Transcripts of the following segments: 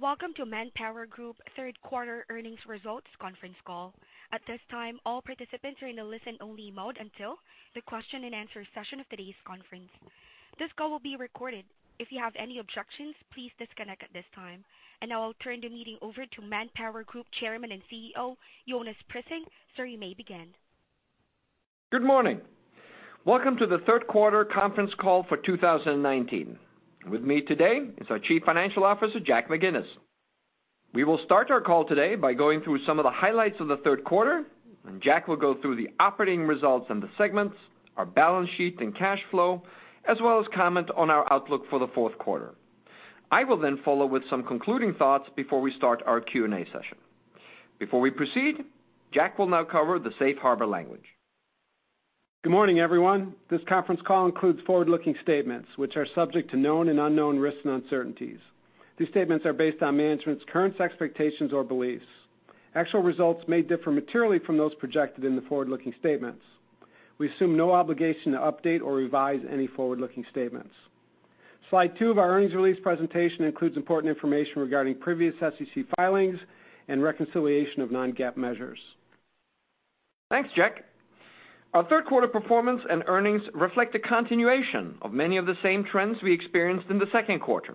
Welcome to ManpowerGroup Third Quarter Earnings Results Conference Call. At this time, all participants are in a listen-only mode until the question-and-answer session of today's conference. This call will be recorded. If you have any objections, please disconnect at this time. Now I'll turn the meeting over to ManpowerGroup Chairman and CEO, Jonas Prising. Sir, you may begin. Good morning. Welcome to the third quarter conference call for 2019. With me today is our Chief Financial Officer, Jack McGinnis. We will start our call today by going through some of the highlights of the third quarter. Jack will go through the operating results in the segments, our balance sheet and cash flow, as well as comment on our outlook for the fourth quarter. I will then follow with some concluding thoughts before we start our Q&A session. Before we proceed, Jack will now cover the safe harbor language. Good morning, everyone. This conference call includes forward-looking statements which are subject to known and unknown risks and uncertainties. These statements are based on management's current expectations or beliefs. Actual results may differ materially from those projected in the forward-looking statements. We assume no obligation to update or revise any forward-looking statements. Slide two of our earnings release presentation includes important information regarding previous SEC filings and reconciliation of non-GAAP measures. Thanks, Jack. Our third quarter performance and earnings reflect a continuation of many of the same trends we experienced in the second quarter,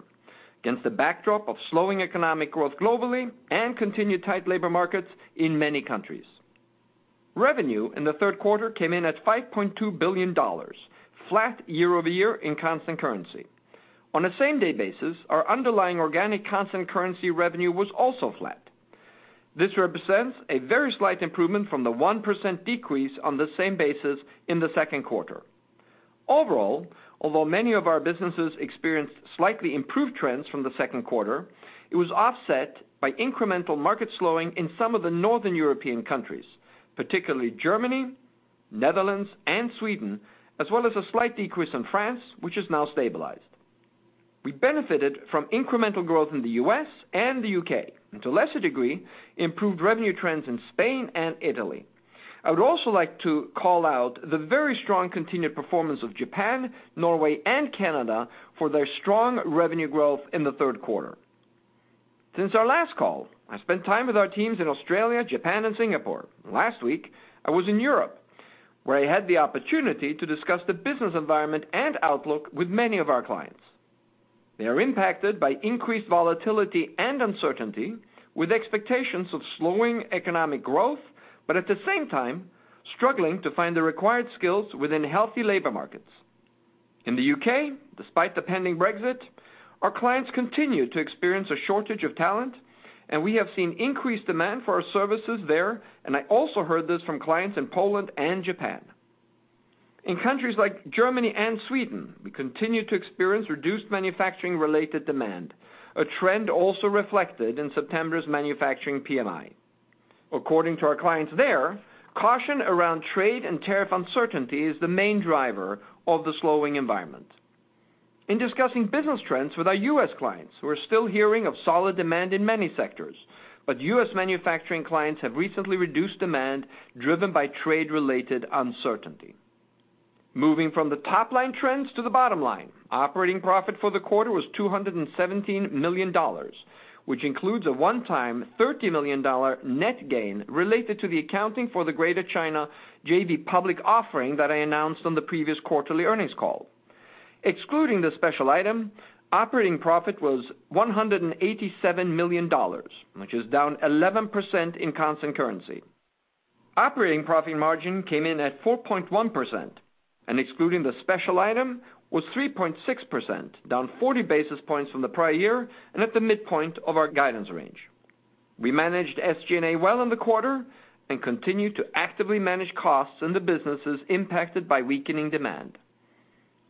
against a backdrop of slowing economic growth globally and continued tight labor markets in many countries. Revenue in the third quarter came in at $5.2 billion, flat year-over-year in constant currency. On a same-day basis, our underlying organic constant currency revenue was also flat. This represents a very slight improvement from the 1% decrease on the same basis in the second quarter. Overall, although many of our businesses experienced slightly improved trends from the second quarter, it was offset by incremental market slowing in some of the Northern European countries, particularly Germany, Netherlands, and Sweden, as well as a slight decrease in France, which has now stabilized. We benefited from incremental growth in the U.S. and the U.K., and to a lesser degree, improved revenue trends in Spain and Italy. I would also like to call out the very strong continued performance of Japan, Norway, and Canada for their strong revenue growth in the third quarter. Since our last call, I spent time with our teams in Australia, Japan, and Singapore. Last week, I was in Europe, where I had the opportunity to discuss the business environment and outlook with many of our clients. They are impacted by increased volatility and uncertainty, with expectations of slowing economic growth, but at the same time, struggling to find the required skills within healthy labor markets. In the U.K., despite the pending Brexit, our clients continue to experience a shortage of talent, and we have seen increased demand for our services there. I also heard this from clients in Poland and Japan. In countries like Germany and Sweden, we continue to experience reduced manufacturing-related demand, a trend also reflected in September's manufacturing PMI. According to our clients there, caution around trade and tariff uncertainty is the main driver of the slowing environment. In discussing business trends with our U.S. clients, we're still hearing of solid demand in many sectors. U.S. manufacturing clients have recently reduced demand driven by trade-related uncertainty. Moving from the top-line trends to the bottom line, operating profit for the quarter was $217 million, which includes a one-time $30 million net gain related to the accounting for the Greater China JV public offering that I announced on the previous quarterly earnings call. Excluding the special item, operating profit was $187 million, which is down 11% in constant currency. Operating profit margin came in at 4.1% and excluding the special item, was 3.6%, down 40 basis points from the prior year and at the midpoint of our guidance range. We managed SG&A well in the quarter and continue to actively manage costs in the businesses impacted by weakening demand.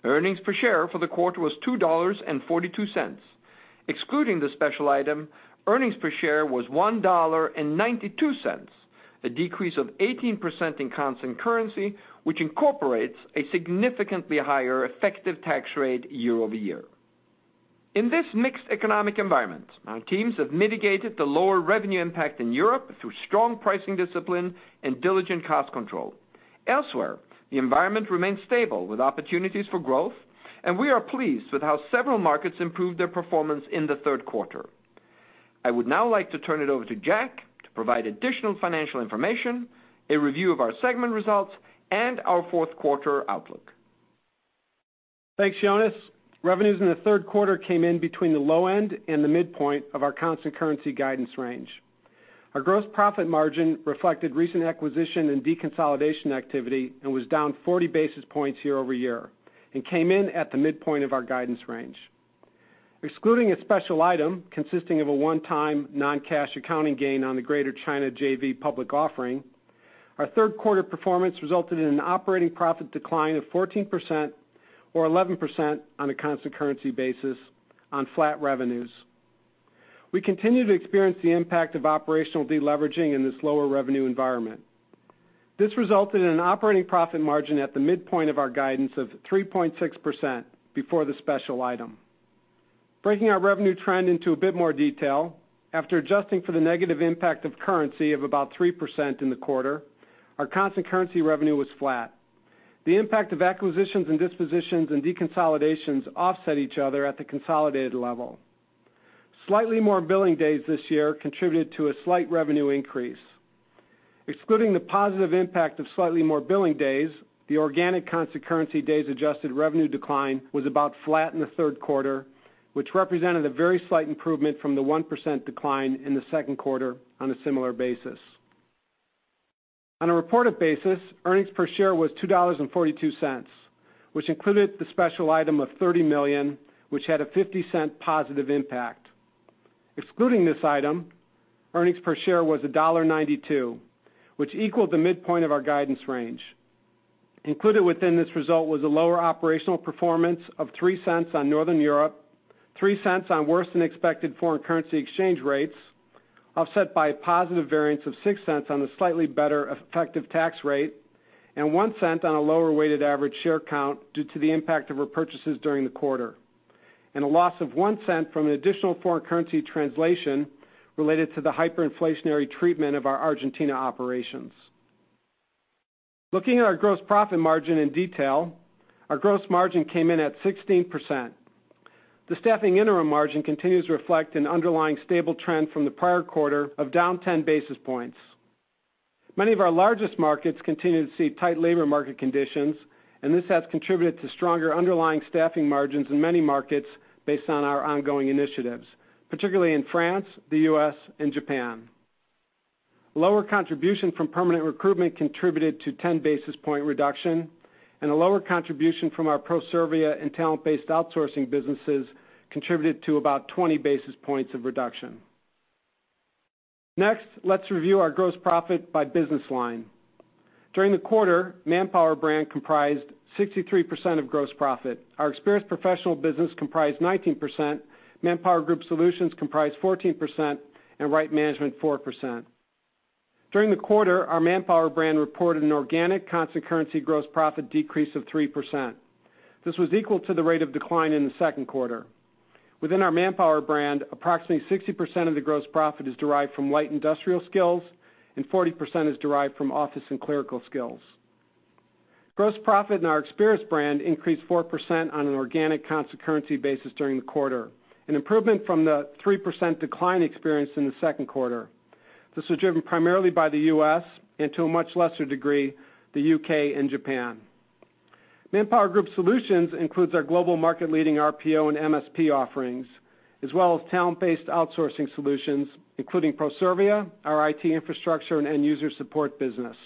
Earnings per share for the quarter was $2.42. Excluding the special item, earnings per share was $1.92, a decrease of 18% in constant currency, which incorporates a significantly higher effective tax rate year-over-year. In this mixed economic environment, our teams have mitigated the lower revenue impact in Europe through strong pricing discipline and diligent cost control. Elsewhere, the environment remains stable with opportunities for growth, and we are pleased with how several markets improved their performance in the third quarter. I would now like to turn it over to Jack to provide additional financial information, a review of our segment results, and our fourth quarter outlook. Thanks, Jonas. Revenues in the third quarter came in between the low end and the midpoint of our constant currency guidance range. Our gross profit margin reflected recent acquisition and deconsolidation activity and was down 40 basis points year-over-year and came in at the midpoint of our guidance range. Excluding a special item consisting of a one-time non-cash accounting gain on the Greater China JV public offering, our third quarter performance resulted in an operating profit decline of 14%, or 11% on a constant currency basis, on flat revenues. We continue to experience the impact of operational deleveraging in this lower revenue environment. This resulted in an operating profit margin at the midpoint of our guidance of 3.6% before the special item. Breaking our revenue trend into a bit more detail, after adjusting for the negative impact of currency of about 3% in the quarter, our constant currency revenue was flat. The impact of acquisitions and dispositions and deconsolidations offset each other at the consolidated level. Slightly more billing days this year contributed to a slight revenue increase. Excluding the positive impact of slightly more billing days, the organic constant currency days adjusted revenue decline was about flat in the third quarter, which represented a very slight improvement from the 1% decline in the second quarter on a similar basis. On a reported basis, earnings per share was $2.42, which included the special item of $30 million, which had a $0.50 positive impact. Excluding this item, earnings per share was $1.92, which equaled the midpoint of our guidance range. Included within this result was a lower operational performance of $0.03 on Northern Europe, $0.03 on worse than expected foreign currency exchange rates, offset by a positive variance of $0.06 on the slightly better effective tax rate, and $0.01 on a lower weighted average share count due to the impact of repurchases during the quarter, and a loss of $0.01 from an additional foreign currency translation related to the hyperinflationary treatment of our Argentina operations. Looking at our gross profit margin in detail, our gross margin came in at 16%. The staffing interim margin continues to reflect an underlying stable trend from the prior quarter of down 10 basis points. Many of our largest markets continue to see tight labor market conditions, and this has contributed to stronger underlying staffing margins in many markets based on our ongoing initiatives, particularly in France, the U.S., and Japan. Lower contribution from permanent recruitment contributed to 10 basis point reduction, and a lower contribution from our Proservia and talent-based outsourcing businesses contributed to about 20 basis points of reduction. Next, let's review our gross profit by business line. During the quarter, Manpower brand comprised 63% of gross profit. Our Experis professional business comprised 19%, ManpowerGroup Solutions comprised 14%, and Right Management 4%. During the quarter, our Manpower brand reported an organic constant currency gross profit decrease of 3%. This was equal to the rate of decline in the second quarter. Within our Manpower brand, approximately 60% of the gross profit is derived from light industrial skills and 40% is derived from office and clerical skills. Gross profit in our Experis brand increased 4% on an organic constant currency basis during the quarter, an improvement from the 3% decline experienced in the second quarter. This was driven primarily by the U.S., and to a much lesser degree, the U.K. and Japan. ManpowerGroup Solutions includes our global market leading RPO and MSP offerings, as well as talent-based outsourcing solutions, including Proservia, our IT infrastructure and end user support business.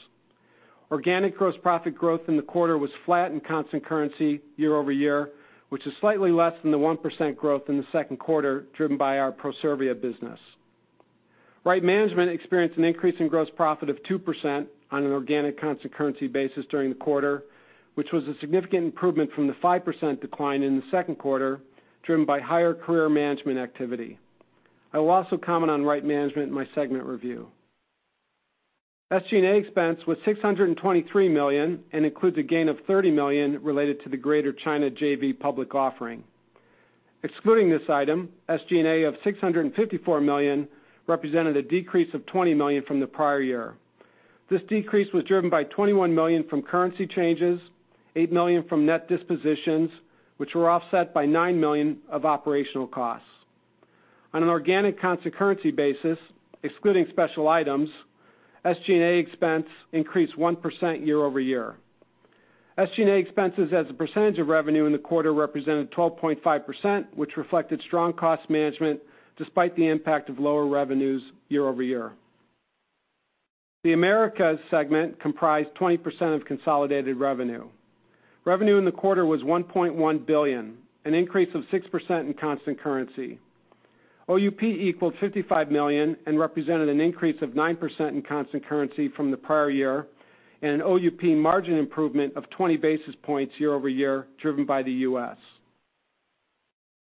Organic gross profit growth in the quarter was flat in constant currency year-over-year, which is slightly less than the 1% growth in the second quarter, driven by our Proservia business. Right Management experienced an increase in gross profit of 2% on an organic constant currency basis during the quarter, which was a significant improvement from the 5% decline in the second quarter, driven by higher career management activity. I will also comment on Right Management in my segment review. SG&A expense was $623 million and includes a gain of $30 million related to the Greater China JV public offering. Excluding this item, SG&A of $654 million represented a decrease of $20 million from the prior year. This decrease was driven by $21 million from currency changes, eight million from net dispositions, which were offset by nine million of operational costs. On an organic constant currency basis, excluding special items, SG&A expense increased 1% year-over-year. SG&A expenses as a percentage of revenue in the quarter represented 12.5%, which reflected strong cost management despite the impact of lower revenues year over year. The Americas segment comprised 20% of consolidated revenue. Revenue in the quarter was $1.1 billion, an increase of 6% in constant currency. OUP equaled $55 million and represented an increase of 9% in constant currency from the prior year, and an OUP margin improvement of 20 basis points year-over-year driven by the U.S.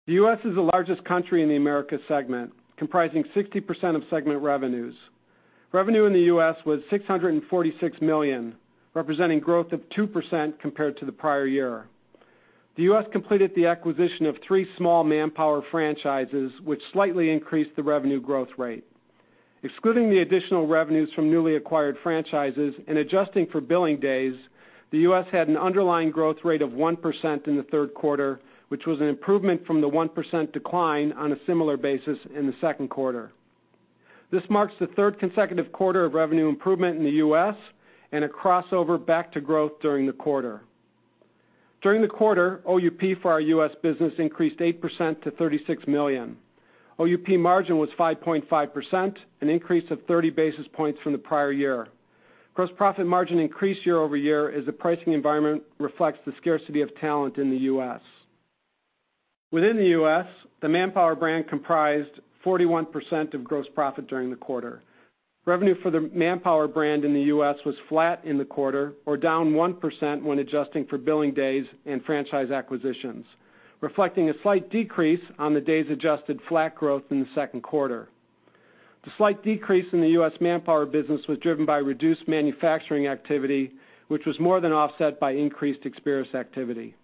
The U.S. is the largest country in the Americas segment, comprising 60% of segment revenues. Revenue in the U.S. was $646 million, representing growth of 2% compared to the prior year. The U.S. completed the acquisition of three small Manpower franchises, which slightly increased the revenue growth rate. Excluding the additional revenues from newly acquired franchises and adjusting for billing days, the U.S. had an underlying growth rate of 1% in the third quarter, which was an improvement from the 1% decline on a similar basis in the second quarter. This marks the third consecutive quarter of revenue improvement in the U.S. and a crossover back to growth during the quarter. During the quarter, OUP for our U.S. business increased 8% to $36 million. OUP margin was 5.5%, an increase of 30 basis points from the prior year. Gross profit margin increased year-over-year as the pricing environment reflects the scarcity of talent in the U.S. Within the U.S., the Manpower brand comprised 41% of gross profit during the quarter. Revenue for the Manpower brand in the U.S. was flat in the quarter, or down 1% when adjusting for billing days and franchise acquisitions, reflecting a slight decrease on the days adjusted flat growth in the second quarter. The slight decrease in the U.S. Manpower business was driven by reduced manufacturing activity, which was more than offset by increased Experis activity.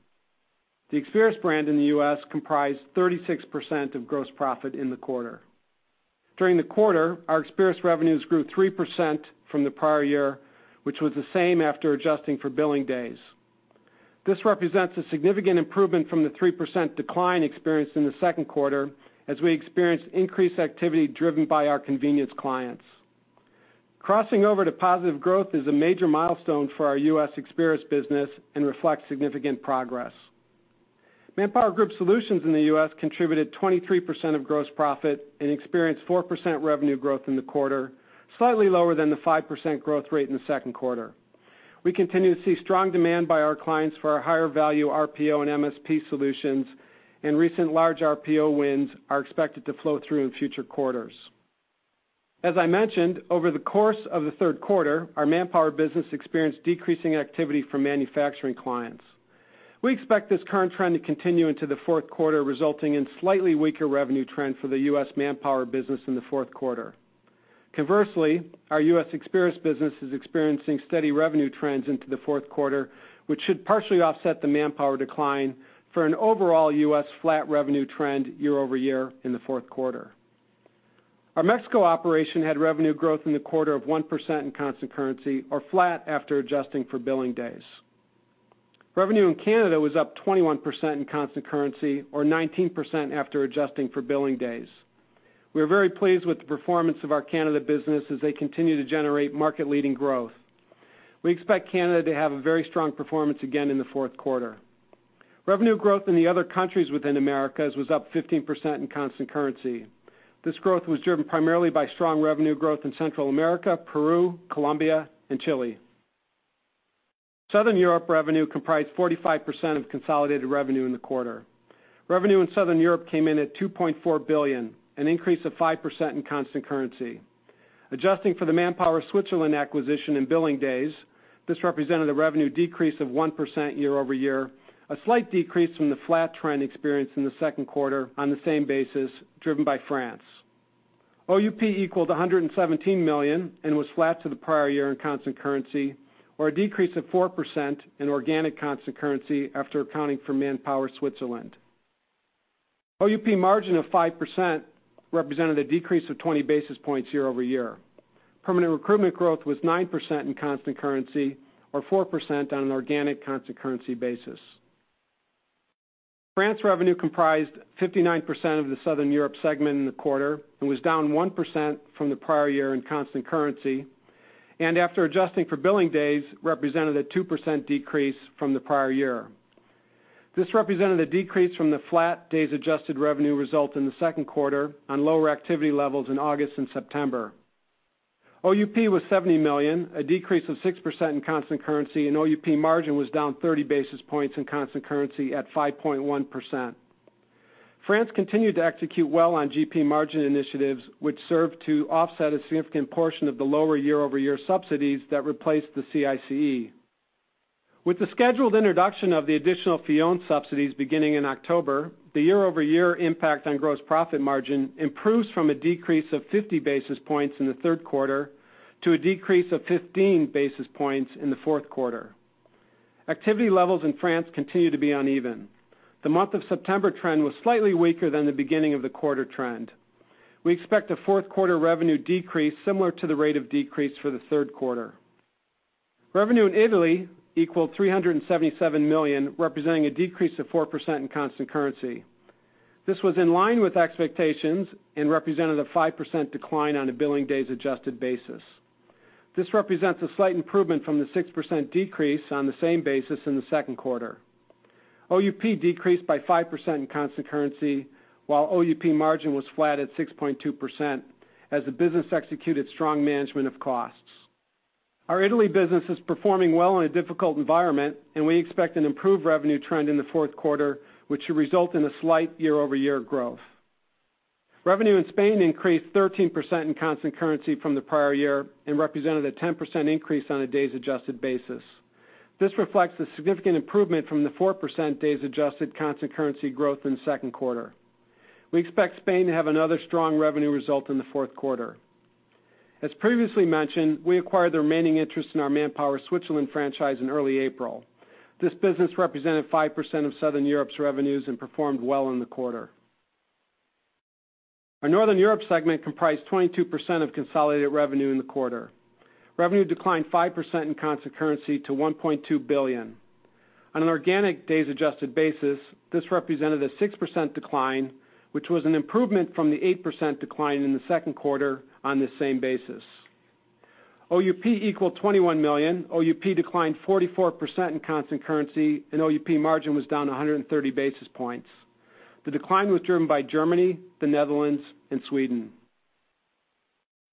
The Experis brand in the U.S. comprised 36% of gross profit in the quarter. During the quarter, our Experis revenues grew 3% from the prior year, which was the same after adjusting for billing days. This represents a significant improvement from the 3% decline experienced in the second quarter, as we experienced increased activity driven by our convenience clients. Crossing over to positive growth is a major milestone for our U.S. Experis business and reflects significant progress. ManpowerGroup Solutions in the U.S. contributed 23% of gross profit and experienced 4% revenue growth in the quarter, slightly lower than the 5% growth rate in the second quarter. We continue to see strong demand by our clients for our higher value RPO and MSP solutions, and recent large RPO wins are expected to flow through in future quarters. As I mentioned, over the course of the third quarter, our Manpower business experienced decreasing activity from manufacturing clients. We expect this current trend to continue into the fourth quarter, resulting in slightly weaker revenue trend for the U.S. Manpower business in the fourth quarter. Conversely, our U.S. Experis business is experiencing steady revenue trends into the fourth quarter, which should partially offset the Manpower decline for an overall U.S. flat revenue trend year-over-year in the fourth quarter. Our Mexico operation had revenue growth in the quarter of 1% in constant currency, or flat after adjusting for billing days. Revenue in Canada was up 21% in constant currency, or 19% after adjusting for billing days. We are very pleased with the performance of our Canada business as they continue to generate market-leading growth. We expect Canada to have a very strong performance again in the fourth quarter. Revenue growth in the other countries within Americas was up 15% in constant currency. This growth was driven primarily by strong revenue growth in Central America, Peru, Colombia, and Chile. Southern Europe revenue comprised 45% of consolidated revenue in the quarter. Revenue in Southern Europe came in at $2.4 billion, an increase of 5% in constant currency. Adjusting for the Manpower Switzerland acquisition and billing days, this represented a revenue decrease of 1% year over year, a slight decrease from the flat trend experienced in the second quarter on the same basis, driven by France. OUP equaled $117 million and was flat to the prior year in constant currency, or a decrease of 4% in organic constant currency after accounting for Manpower Switzerland. OUP margin of 5% represented a decrease of 20 basis points year over year. Permanent recruitment growth was 9% in constant currency or 4% on an organic constant currency basis. France revenue comprised 59% of the Southern Europe segment in the quarter and was down 1% from the prior year in constant currency, and after adjusting for billing days, represented a 2% decrease from the prior year. This represented a decrease from the flat days adjusted revenue result in the second quarter on lower activity levels in August and September. OUP was $70 million, a decrease of 6% in constant currency, and OUP margin was down 30 basis points in constant currency at 5.1%. France continued to execute well on GP margin initiatives, which served to offset a significant portion of the lower year-over-year subsidies that replaced the CICE. With the scheduled introduction of the additional Fillon subsidies beginning in October, the year-over-year impact on gross profit margin improves from a decrease of 50 basis points in the third quarter to a decrease of 15 basis points in the fourth quarter. Activity levels in France continue to be uneven. The month of September trend was slightly weaker than the beginning of the quarter trend. We expect a fourth quarter revenue decrease similar to the rate of decrease for the third quarter. Revenue in Italy equaled $377 million, representing a decrease of 4% in constant currency. This was in line with expectations and represented a 5% decline on a billing days adjusted basis. This represents a slight improvement from the 6% decrease on the same basis in the second quarter. OUP decreased by 5% in constant currency, while OUP margin was flat at 6.2% as the business executed strong management of costs. Our Italy business is performing well in a difficult environment. We expect an improved revenue trend in the fourth quarter, which should result in a slight year-over-year growth. Revenue in Spain increased 13% in constant currency from the prior year and represented a 10% increase on a days adjusted basis. This reflects the significant improvement from the 4% days adjusted constant currency growth in the second quarter. We expect Spain to have another strong revenue result in the fourth quarter. As previously mentioned, we acquired the remaining interest in our Manpower Switzerland franchise in early April. This business represented 5% of Southern Europe's revenues and performed well in the quarter. Our Northern Europe segment comprised 22% of consolidated revenue in the quarter. Revenue declined 5% in constant currency to $1.2 billion. On an organic days adjusted basis, this represented a 6% decline, which was an improvement from the 8% decline in the second quarter on this same basis. OUP equaled $21 million. OUP declined 44% in constant currency, and OUP margin was down 130 basis points. The decline was driven by Germany, the Netherlands, and Sweden.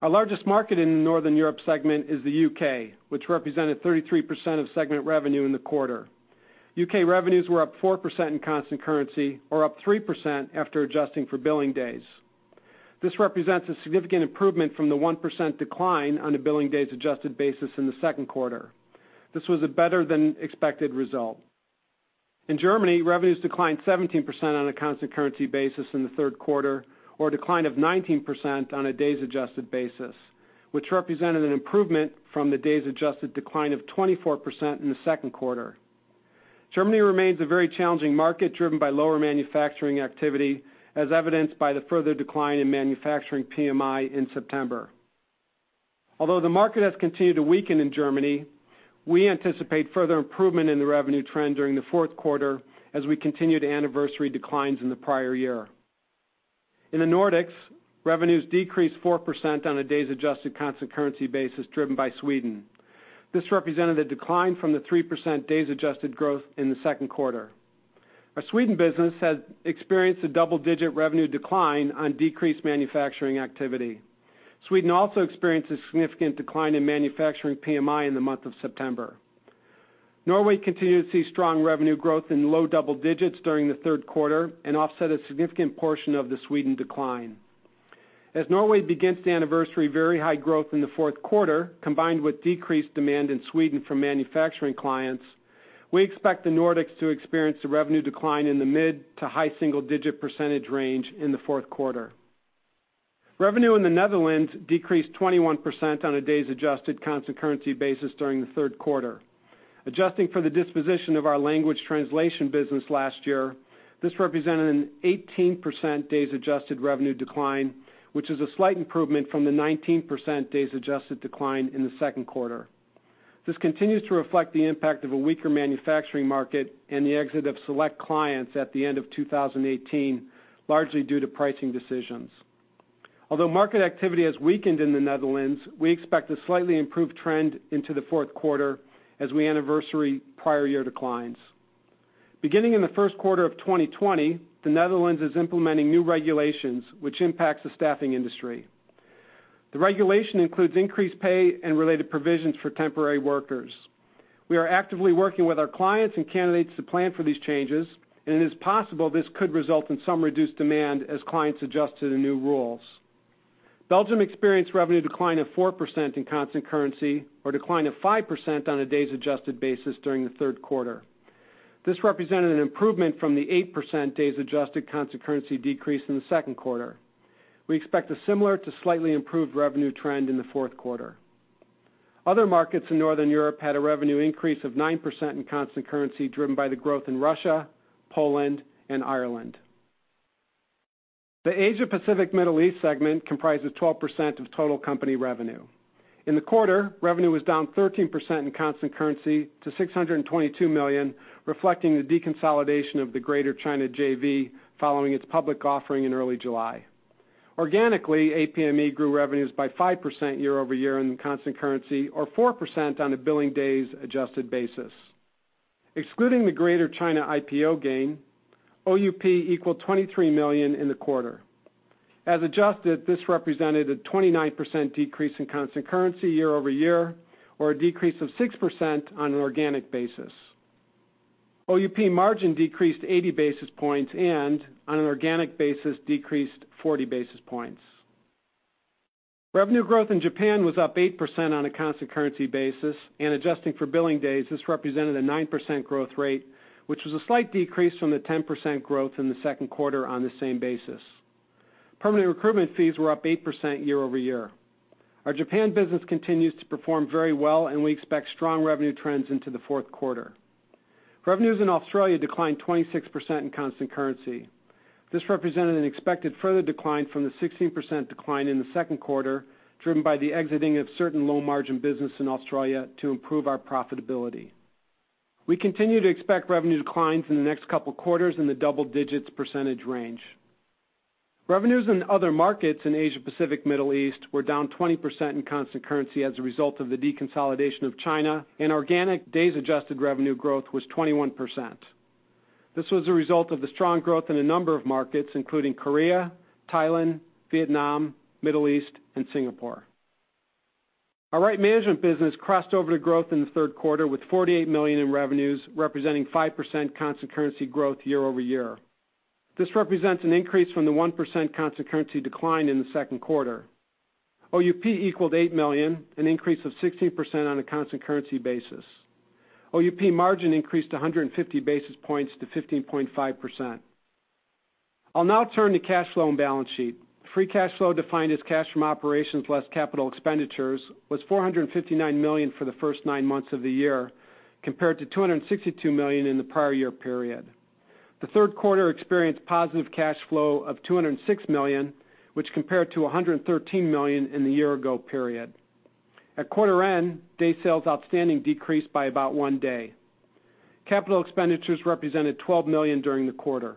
Our largest market in the Northern Europe segment is the U.K., which represented 33% of segment revenue in the quarter. U.K. revenues were up 4% in constant currency or up 3% after adjusting for billing days. This represents a significant improvement from the 1% decline on a billing days adjusted basis in the second quarter. This was a better than expected result. In Germany, revenues declined 17% on a constant currency basis in the third quarter, or a decline of 19% on a days adjusted basis. Which represented an improvement from the days adjusted decline of 24% in the second quarter. Germany remains a very challenging market, driven by lower manufacturing activity, as evidenced by the further decline in manufacturing PMI in September. Although the market has continued to weaken in Germany, we anticipate further improvement in the revenue trend during the fourth quarter as we continue to anniversary declines in the prior year. In the Nordics, revenues decreased 4% on a days-adjusted constant currency basis, driven by Sweden. This represented a decline from the 3% days-adjusted growth in the second quarter. Our Sweden business has experienced a double-digit revenue decline on decreased manufacturing activity. Sweden also experienced a significant decline in manufacturing PMI in the month of September. Norway continued to see strong revenue growth in low double digits during the third quarter and offset a significant portion of the Sweden decline. As Norway begins to anniversary very high growth in the fourth quarter, combined with decreased demand in Sweden from manufacturing clients, we expect the Nordics to experience a revenue decline in the mid to high single-digit percentage range in the fourth quarter. Revenue in the Netherlands decreased 21% on a days-adjusted constant currency basis during the third quarter. Adjusting for the disposition of our language translation business last year, this represented an 18% days-adjusted revenue decline, which is a slight improvement from the 19% days-adjusted decline in the second quarter. This continues to reflect the impact of a weaker manufacturing market and the exit of select clients at the end of 2018, largely due to pricing decisions. Although market activity has weakened in the Netherlands, we expect a slightly improved trend into the fourth quarter as we anniversary prior year declines. Beginning in the first quarter of 2020, the Netherlands is implementing new regulations which impacts the staffing industry. The regulation includes increased pay and related provisions for temporary workers. We are actively working with our clients and candidates to plan for these changes, and it is possible this could result in some reduced demand as clients adjust to the new rules. Belgium experienced revenue decline of four% in constant currency or decline of five% on a days-adjusted basis during the third quarter. This represented an improvement from the eight% days-adjusted constant currency decrease in the second quarter. We expect a similar to slightly improved revenue trend in the fourth quarter. Other markets in Northern Europe had a revenue increase of nine% in constant currency, driven by the growth in Russia, Poland, and Ireland. The Asia-Pacific Middle East segment comprises 12% of total company revenue. In the quarter, revenue was down 13% in constant currency to $622 million, reflecting the deconsolidation of the Greater China JV following its public offering in early July. Organically, APME grew revenues by 5% year-over-year in constant currency or 4% on a billing days adjusted basis. Excluding the Greater China IPO gain, OUP equaled $23 million in the quarter. As adjusted, this represented a 29% decrease in constant currency year-over-year or a decrease of 6% on an organic basis. OUP margin decreased 80 basis points and on an organic basis, decreased 40 basis points. Revenue growth in Japan was up 8% on a constant currency basis and adjusting for billing days, this represented a 9% growth rate, which was a slight decrease from the 10% growth in the second quarter on the same basis. Permanent recruitment fees were up 8% year-over-year. Our Japan business continues to perform very well and we expect strong revenue trends into the fourth quarter. Revenues in Australia declined 26% in constant currency. This represented an expected further decline from the 16% decline in the second quarter, driven by the exiting of certain low-margin business in Australia to improve our profitability. We continue to expect revenue declines in the next couple of quarters in the double digits percentage range. Revenues in other markets in Asia-Pacific Middle East were down 20% in constant currency as a result of the deconsolidation of China and organic days adjusted revenue growth was 21%. This was a result of the strong growth in a number of markets, including Korea, Thailand, Vietnam, Middle East, and Singapore. Our Right Management business crossed over to growth in the third quarter with $48 million in revenues, representing 5% constant currency growth year-over-year. This represents an increase from the 1% constant currency decline in the second quarter. OUP equaled $8 million, an increase of 16% on a constant currency basis. OUP margin increased 150 basis points to 15.5%. I'll now turn to cash flow and balance sheet. Free cash flow defined as cash from operations less capital expenditures was $459 million for the first nine months of the year, compared to $262 million in the prior year period. The third quarter experienced positive cash flow of $206 million, which compared to $113 million in the year ago period. At quarter end, day sales outstanding decreased by about one day. Capital expenditures represented $12 million during the quarter.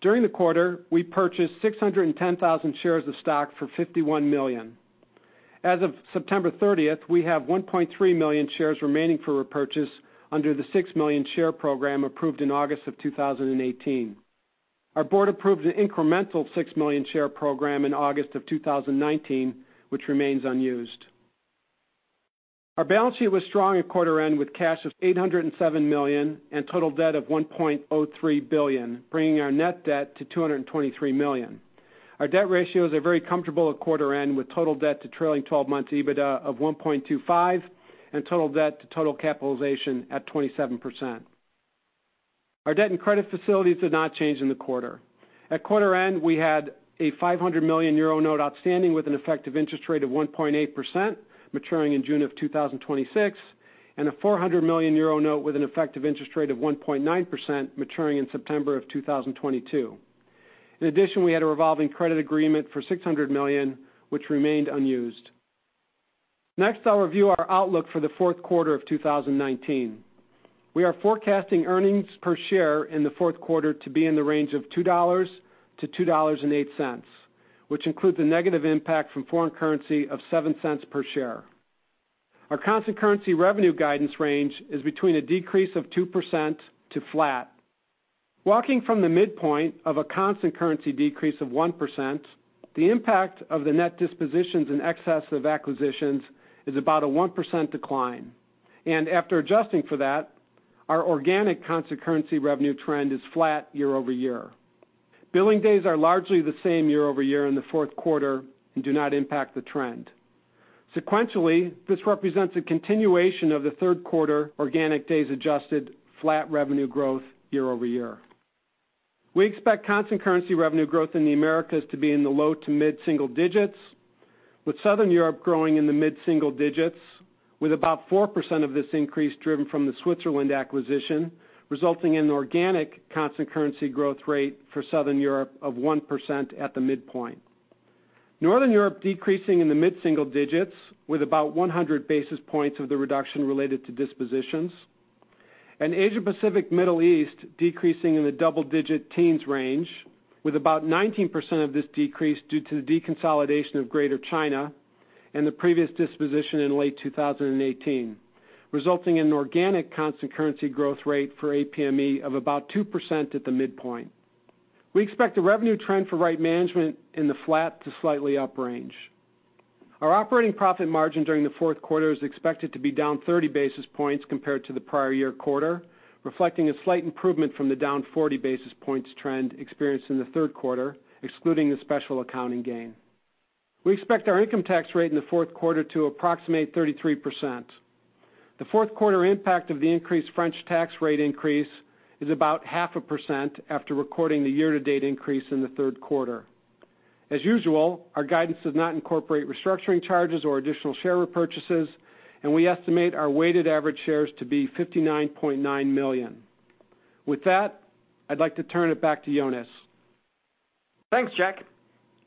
During the quarter, we purchased 610,000 shares of stock for $51 million. As of September 30th, we have 1.3 million shares remaining for repurchase under the 6 million share program approved in August of 2018. Our board approved an incremental 6 million share program in August of 2019, which remains unused. Our balance sheet was strong at quarter end with cash of $807 million and total debt of $1.03 billion, bringing our net debt to $223 million. Our debt ratios are very comfortable at quarter end with total debt to trailing 12 months EBITDA of 1.25 and total debt to total capitalization at 27%. Our debt and credit facilities did not change in the quarter. At quarter end, we had a 500 million euro note outstanding with an effective interest rate of 1.8% maturing in June of 2026, and a 400 million euro note with an effective interest rate of 1.9% maturing in September of 2022. In addition, we had a revolving credit agreement for $600 million, which remained unused. I'll review our outlook for the fourth quarter of 2019. We are forecasting earnings per share in the fourth quarter to be in the range of $2 to $2.08, which includes a negative impact from foreign currency of $0.07 per share. Our constant currency revenue guidance range is between a decrease of 2% to flat. Walking from the midpoint of a constant currency decrease of 1%, the impact of the net dispositions in excess of acquisitions is about a 1% decline. After adjusting for that, our organic constant currency revenue trend is flat year-over-year. Billing days are largely the same year-over-year in the fourth quarter and do not impact the trend. Sequentially, this represents a continuation of the third quarter organic days adjusted flat revenue growth year-over-year. We expect constant currency revenue growth in the Americas to be in the low to mid-single digits, with Southern Europe growing in the mid-single digits with about 4% of this increase driven from the Switzerland acquisition, resulting in organic constant currency growth rate for Southern Europe of 1% at the midpoint. Northern Europe decreasing in the mid-single digits with about 100 basis points of the reduction related to dispositions. Asia Pacific Middle East decreasing in the double-digit teens range with about 19% of this decrease due to the deconsolidation of Greater China and the previous disposition in late 2018, resulting in organic constant currency growth rate for APME of about 2% at the midpoint. We expect the revenue trend for Right Management in the flat to slightly up range. Our operating profit margin during the fourth quarter is expected to be down 30 basis points compared to the prior year quarter, reflecting a slight improvement from the down 40 basis points trend experienced in the third quarter, excluding the special accounting gain. We expect our income tax rate in the fourth quarter to approximate 33%. The fourth quarter impact of the increased French tax rate increase is about half a percent after recording the year-to-date increase in the third quarter. As usual, our guidance does not incorporate restructuring charges or additional share repurchases, and we estimate our weighted average shares to be 59.9 million. With that, I'd like to turn it back to Jonas. Thanks, Jack.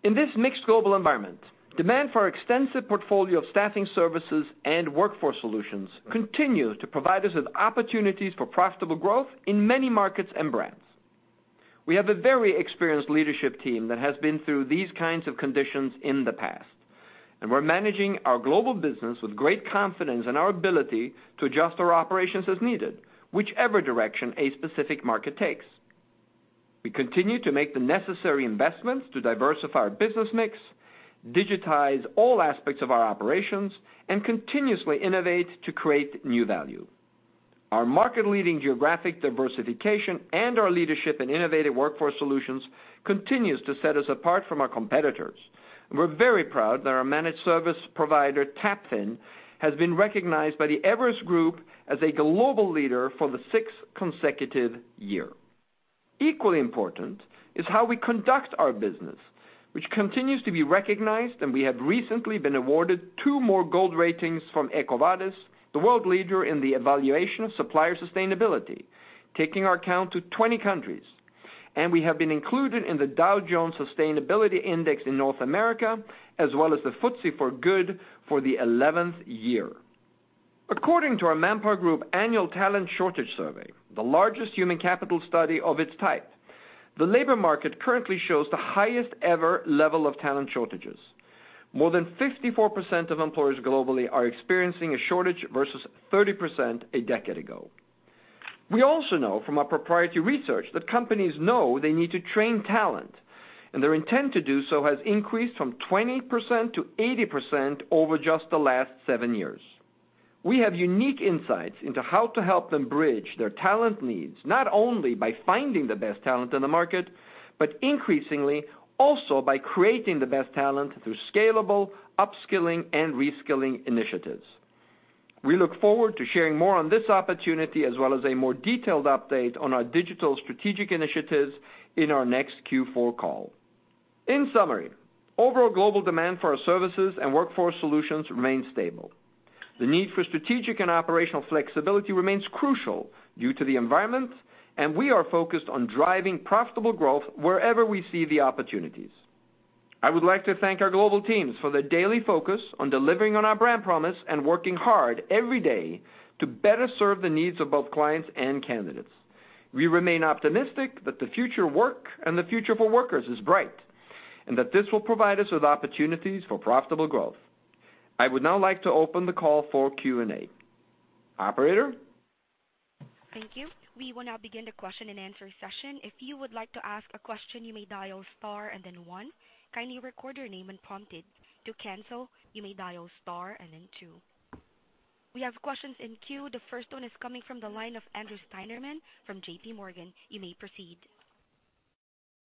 In this mixed global environment, demand for our extensive portfolio of staffing services and workforce solutions continue to provide us with opportunities for profitable growth in many markets and brands. We have a very experienced leadership team that has been through these kinds of conditions in the past, and we're managing our global business with great confidence in our ability to adjust our operations as needed, whichever direction a specific market takes. We continue to make the necessary investments to diversify our business mix, digitize all aspects of our operations, and continuously innovate to create new value. Our market-leading geographic diversification and our leadership in innovative workforce solutions continues to set us apart from our competitors, and we're very proud that our managed service provider, TAPFIN, has been recognized by the Everest Group as a global leader for the sixth consecutive year. Equally important is how we conduct our business, which continues to be recognized, and we have recently been awarded two more gold ratings from EcoVadis, the world leader in the evaluation of supplier sustainability, taking our count to 20 countries. We have been included in the Dow Jones Sustainability Index in North America, as well as the FTSE4Good for the 11th year. According to our ManpowerGroup Annual Talent Shortage Survey, the largest human capital study of its type, the labor market currently shows the highest ever level of talent shortages. More than 54% of employers globally are experiencing a shortage versus 30% a decade ago. We also know from our proprietary research that companies know they need to train talent, and their intent to do so has increased from 20% to 80% over just the last seven years. We have unique insights into how to help them bridge their talent needs, not only by finding the best talent in the market, but increasingly also by creating the best talent through scalable upskilling and reskilling initiatives. We look forward to sharing more on this opportunity as well as a more detailed update on our digital strategic initiatives in our next Q4 call. In summary, overall global demand for our services and workforce solutions remains stable. The need for strategic and operational flexibility remains crucial due to the environment, and we are focused on driving profitable growth wherever we see the opportunities. I would like to thank our global teams for their daily focus on delivering on our brand promise and working hard every day to better serve the needs of both clients and candidates. We remain optimistic that the future work and the future for workers is bright, and that this will provide us with opportunities for profitable growth. I would now like to open the call for Q&A. Operator? Thank you. We will now begin the question and answer session. If you would like to ask a question, you may dial star and then one. Kindly record your name when prompted. To cancel, you may dial star and then two. We have questions in queue. The first one is coming from the line of Andrew Steinerman from J.P. Morgan. You may proceed.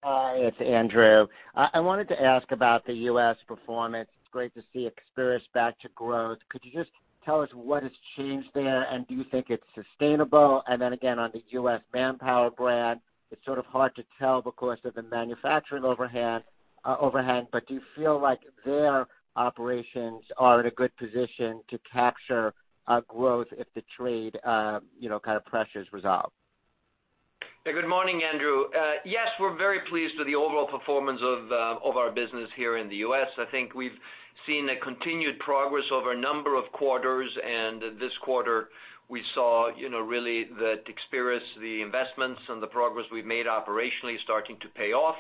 Hi, it's Andrew. I wanted to ask about the U.S. performance. It's great to see Experis back to growth. Could you just tell us what has changed there, and do you think it's sustainable? Again, on the U.S. Manpower brand, it's sort of hard to tell because of the manufacturing overhead. Do you feel like their operations are in a good position to capture growth if the trade kind of pressure's resolved? Good morning, Andrew. Yes, we're very pleased with the overall performance of our business here in the U.S. I think we've seen a continued progress over a number of quarters, and this quarter, we saw really that Experis, the investments and the progress we've made operationally is starting to pay off.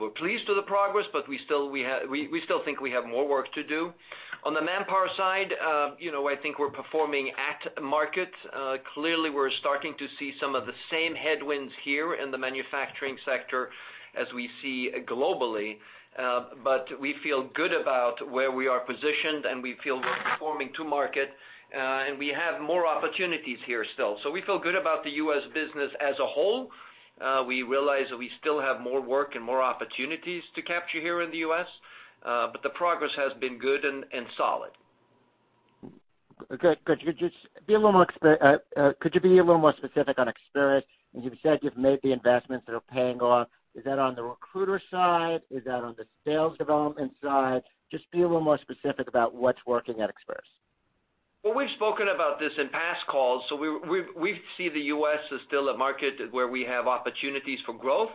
We're pleased with the progress, but we still think we have more work to do. On the Manpower side, I think we're performing at market. Clearly, we're starting to see some of the same headwinds here in the manufacturing sector as we see globally. We feel good about where we are positioned, and we feel we're performing to market. We have more opportunities here still. We feel good about the U.S. business as a whole. We realize that we still have more work and more opportunities to capture here in the U.S. The progress has been good and solid. Okay. Could you be a little more specific on Experis? You've said you've made the investments that are paying off. Is that on the recruiter side? Is that on the sales development side? Just be a little more specific about what's working at Experis. Well, we've spoken about this in past calls. We see the U.S. as still a market where we have opportunities for growth.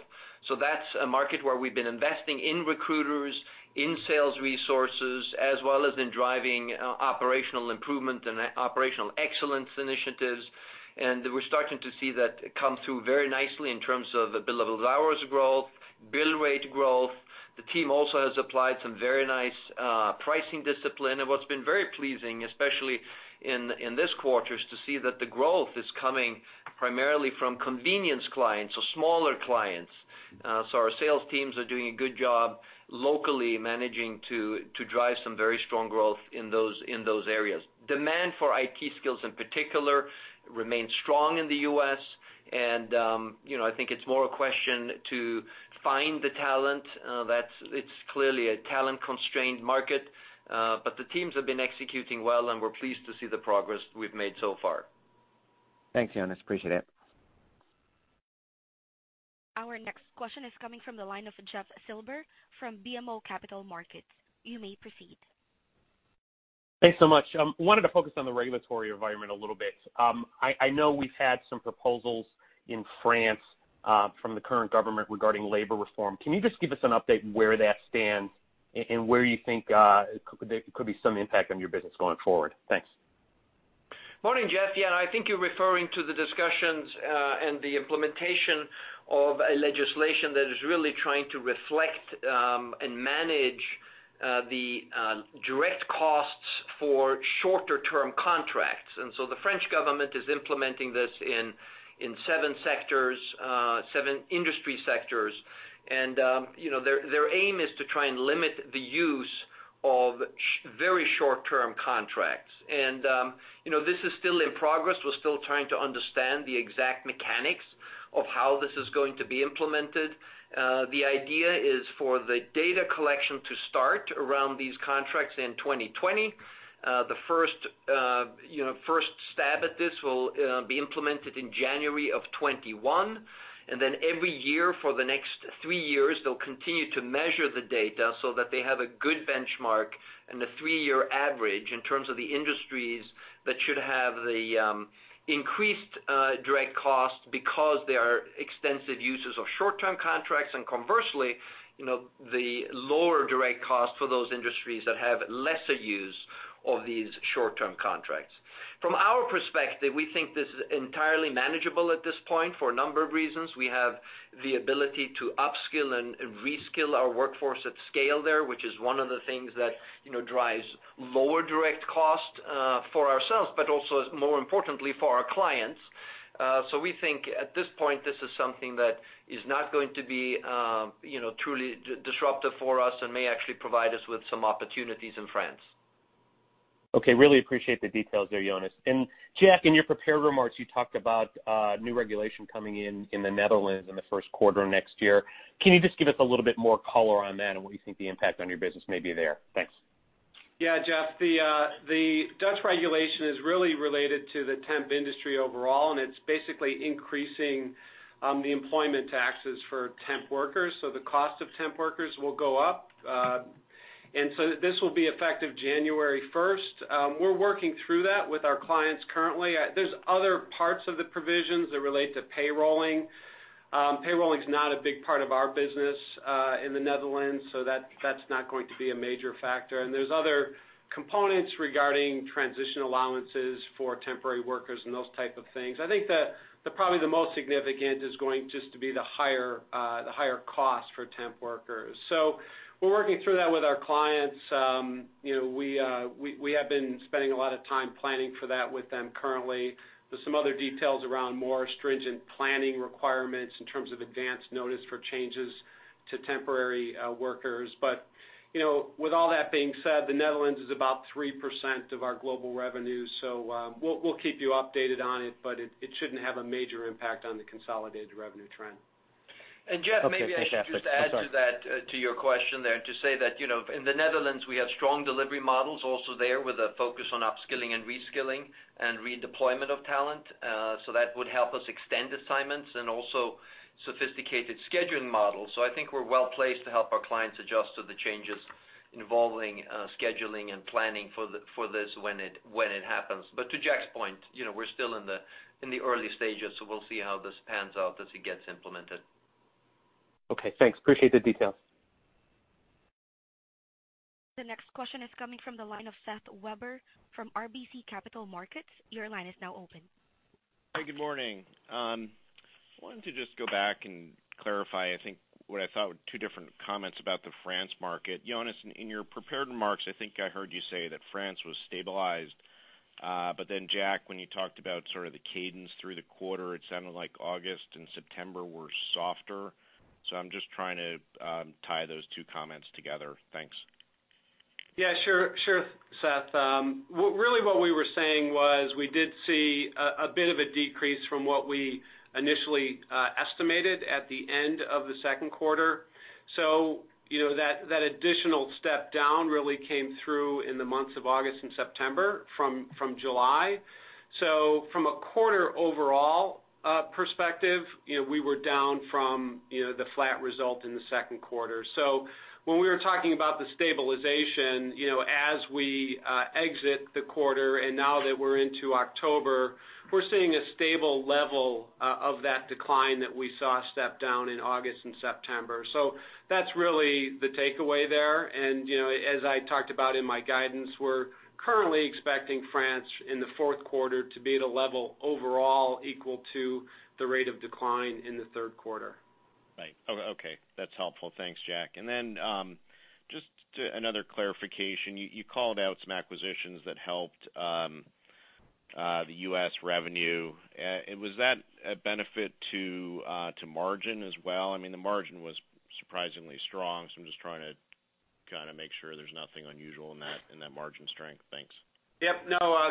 That's a market where we've been investing in recruiters, in sales resources, as well as in driving operational improvement and operational excellence initiatives. We're starting to see that come through very nicely in terms of billable hours growth, bill rate growth. The team also has applied some very nice pricing discipline. What's been very pleasing, especially in this quarter, is to see that the growth is coming primarily from convenience clients, so smaller clients. Our sales teams are doing a good job locally managing to drive some very strong growth in those areas. Demand for IT skills in particular remains strong in the U.S., and I think it's more a question to find the talent. It's clearly a talent-constrained market. The teams have been executing well, and we're pleased to see the progress we've made so far. Thanks, Jonas. Appreciate it. Our next question is coming from the line of Jeff Silber from BMO Capital Markets. You may proceed. Thanks so much. I wanted to focus on the regulatory environment a little bit. I know we've had some proposals in France from the current government regarding labor reform. Can you just give us an update where that stands and where you think there could be some impact on your business going forward? Thanks. Morning, Jeff. Yeah, I think you're referring to the discussions, and the implementation of a legislation that is really trying to reflect, and manage the direct costs for shorter-term contracts. The French government is implementing this in seven industry sectors. Their aim is to try and limit the use of very short-term contracts. This is still in progress. We're still trying to understand the exact mechanics of how this is going to be implemented. The idea is for the data collection to start around these contracts in 2020. The first stab at this will be implemented in January of 2021. Every year for the next three years, they'll continue to measure the data so that they have a good benchmark and a three-year average in terms of the industries that should have the increased direct cost because there are extensive uses of short-term contracts and conversely, the lower direct cost for those industries that have lesser use of these short-term contracts. From our perspective, we think this is entirely manageable at this point for a number of reasons. We have the ability to upskill and reskill our workforce at scale there, which is one of the things that drives lower direct cost, for ourselves, but also more importantly for our clients. We think at this point, this is something that is not going to be truly disruptive for us and may actually provide us with some opportunities in France. Okay. Really appreciate the details there, Jonas. Jack, in your prepared remarks, you talked about new regulation coming in in the Netherlands in the first quarter of next year. Can you just give us a little bit more color on that and what you think the impact on your business may be there? Thanks. Jeff. The Dutch regulation is really related to the temp industry overall, and it's basically increasing the employment taxes for temp workers, so the cost of temp workers will go up. This will be effective January 1st. We're working through that with our clients currently. There's other parts of the provisions that relate to payrolling. Payrolling's not a big part of our business in the Netherlands, so that's not going to be a major factor. There's other components regarding transition allowances for temporary workers and those type of things. I think that probably the most significant is going just to be the higher cost for temp workers. We're working through that with our clients. We have been spending a lot of time planning for that with them currently. There's some other details around more stringent planning requirements in terms of advanced notice for changes to temporary workers. With all that being said, the Netherlands is about 3% of our global revenue. We'll keep you updated on it, but it shouldn't have a major impact on the consolidated revenue trend. Jeff, maybe I should just add to your question there, to say that, in the Netherlands, we have strong delivery models also there with a focus on upskilling and reskilling and redeployment of talent. That would help us extend assignments and also sophisticated scheduling models. I think we're well-placed to help our clients adjust to the changes involving scheduling and planning for this when it happens. To Jack's point, we're still in the early stages, so we'll see how this pans out as it gets implemented. Okay, thanks. Appreciate the details. The next question is coming from the line of Seth Weber from RBC Capital Markets. Your line is now open. Hey, good morning. I wanted to just go back and clarify, I think, what I thought were two different comments about the France market. Jonas, in your prepared remarks, I think I heard you say that France was stabilized. Jack, when you talked about sort of the cadence through the quarter, it sounded like August and September were softer. I'm just trying to tie those two comments together. Thanks. Sure, Seth. Really what we were saying was we did see a bit of a decrease from what we initially estimated at the end of the 2nd quarter. That additional step down really came through in the months of August and September from July. From a quarter overall perspective, we were down from the flat result in the 2nd quarter. When we were talking about the stabilization, as we exit the quarter and now that we're into October, we're seeing a stable level of that decline that we saw step down in August and September. That's really the takeaway there. As I talked about in my guidance, we're currently expecting France in the 4th quarter to be at a level overall equal to the rate of decline in the 3rd quarter. Right. Okay. That's helpful. Thanks, Jack. Just another clarification. You called out some acquisitions that helped the U.S. revenue. Was that a benefit to margin as well? I mean, the margin was surprisingly strong, so I'm just trying to kind of make sure there's nothing unusual in that margin strength. Thanks.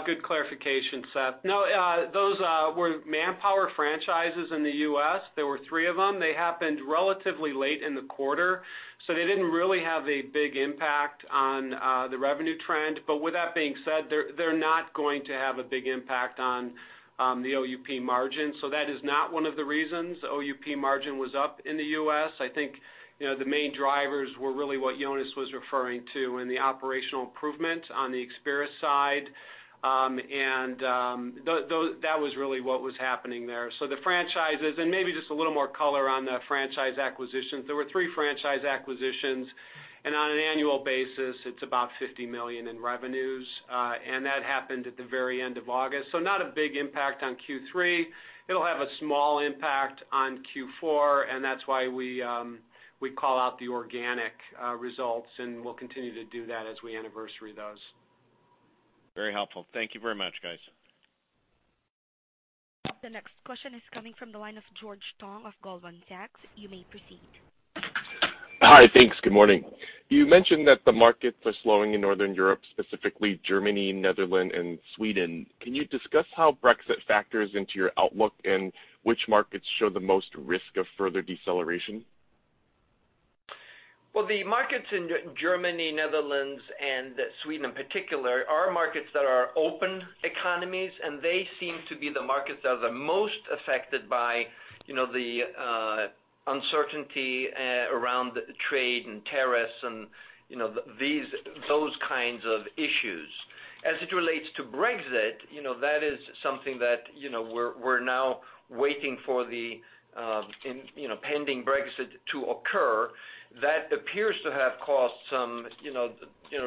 Good clarification, Seth. Those were Manpower franchises in the U.S. There were three of them. They happened relatively late in the quarter, so they didn't really have a big impact on the revenue trend. With that being said, they're not going to have a big impact on the OUP margin. That is not one of the reasons OUP margin was up in the U.S. I think, the main drivers were really what Jonas was referring to and the operational improvements on the Experis side. That was really what was happening there. The franchises, and maybe just a little more color on the franchise acquisitions. There were three franchise acquisitions, and on an annual basis, it's about $50 million in revenues. That happened at the very end of August. Not a big impact on Q3. It'll have a small impact on Q4, and that's why we call out the organic results, and we'll continue to do that as we anniversary those. Very helpful. Thank you very much, guys. The next question is coming from the line of George Tong of Goldman Sachs. You may proceed. Hi, thanks. Good morning. You mentioned that the markets are slowing in Northern Europe, specifically Germany, Netherlands, and Sweden. Can you discuss how Brexit factors into your outlook and which markets show the most risk of further deceleration? Well, the markets in Germany, Netherlands, and Sweden in particular, are markets that are open economies, and they seem to be the markets that are the most affected by the uncertainty around trade and tariffs and those kinds of issues. As it relates to Brexit, that is something that we're now waiting for the pending Brexit to occur. That appears to have caused some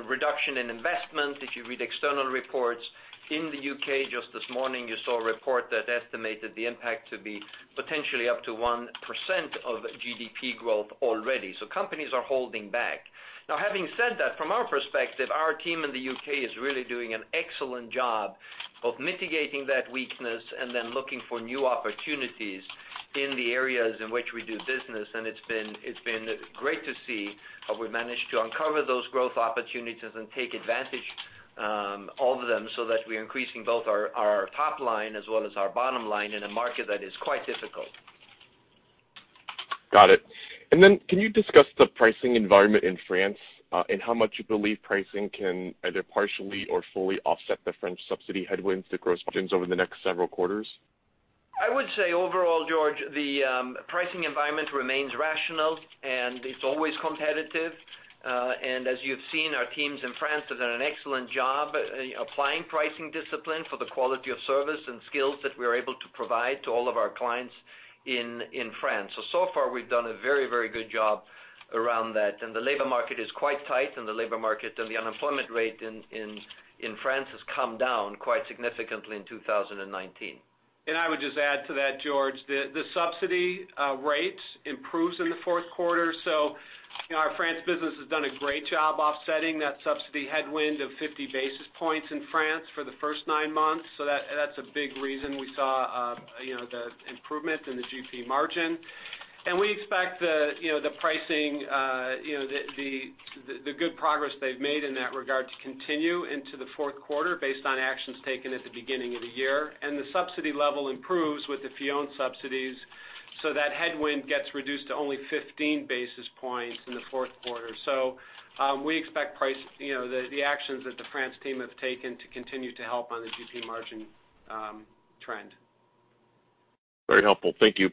reduction in investment, if you read external reports. In the U.K., just this morning, you saw a report that estimated the impact to be potentially up to 1% of GDP growth already. Companies are holding back. Now, having said that, from our perspective, our team in the U.K. is really doing an excellent job of mitigating that weakness and then looking for new opportunities in the areas in which we do business. It's been great to see how we've managed to uncover those growth opportunities and take advantage of them so that we're increasing both our top line as well as our bottom line in a market that is quite difficult. Got it. Then can you discuss the pricing environment in France, and how much you believe pricing can either partially or fully offset the French subsidy headwinds to gross margins over the next several quarters? I would say overall, George, the pricing environment remains rational. It's always competitive. As you've seen, our teams in France have done an excellent job applying pricing discipline for the quality of service and skills that we're able to provide to all of our clients in France. So far we've done a very good job around that. The labor market is quite tight, and the labor market and the unemployment rate in France has come down quite significantly in 2019. I would just add to that, George, the subsidy rate improves in the fourth quarter. Our France business has done a great job offsetting that subsidy headwind of 50 basis points in France for the first nine months. That's a big reason we saw the improvement in the GP margin. We expect the good progress they've made in that regard to continue into the fourth quarter based on actions taken at the beginning of the year. The subsidy level improves with the Fillon subsidies, so that headwind gets reduced to only 15 basis points in the fourth quarter. We expect the actions that the France team have taken to continue to help on the GP margin trend. Very helpful. Thank you.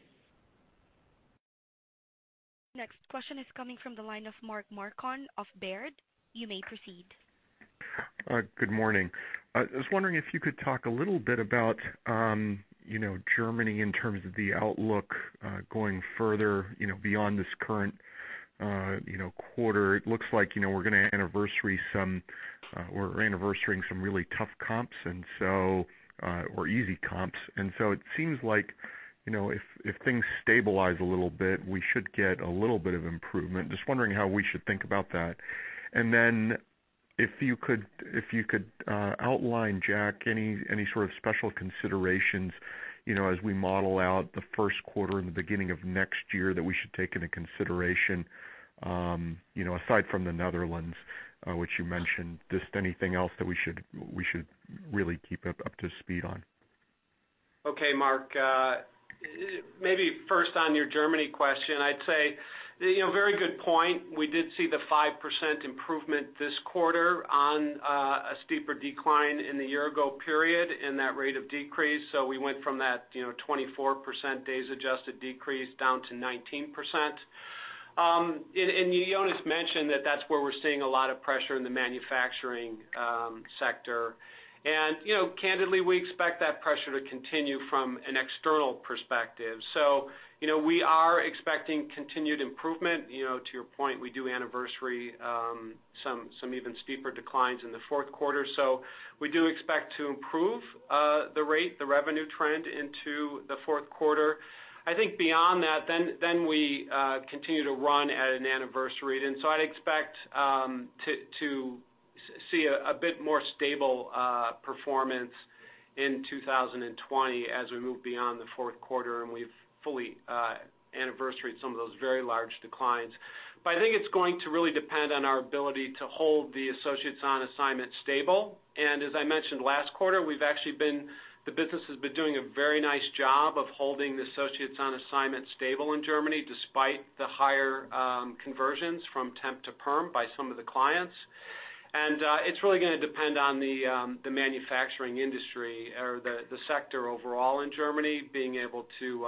Next question is coming from the line of Mark Marcon of Baird. You may proceed. Good morning. I was wondering if you could talk a little bit about Germany in terms of the outlook, going further beyond this current quarter. It looks like we're anniversarying some really tough comps or easy comps. It seems like if things stabilize a little bit, we should get a little bit of improvement. Just wondering how we should think about that. If you could outline, Jack, any sort of special considerations as we model out the first quarter and the beginning of next year that we should take into consideration, aside from the Netherlands, which you mentioned. Just anything else that we should really keep up to speed on. Okay, Mark. Maybe first on your Germany question, I'd say, very good point. We did see the 5% improvement this quarter on a steeper decline in the year ago period in that rate of decrease. We went from that 24% days adjusted decrease down to 19%. Jonas mentioned that that's where we're seeing a lot of pressure in the manufacturing sector. Candidly, we expect that pressure to continue from an external perspective. We are expecting continued improvement. To your point, we do anniversary some even steeper declines in the fourth quarter. We do expect to improve, the rate, the revenue trend into the fourth quarter. I think beyond that, we continue to run at an anniversary. I'd expect to see a bit more stable performance in 2020 as we move beyond the fourth quarter and we've fully anniversaried some of those very large declines. I think it's going to really depend on our ability to hold the associates on assignment stable. As I mentioned last quarter, the business has been doing a very nice job of holding the associates on assignment stable in Germany despite the higher conversions from temp to perm by some of the clients. It's really going to depend on the manufacturing industry or the sector overall in Germany being able to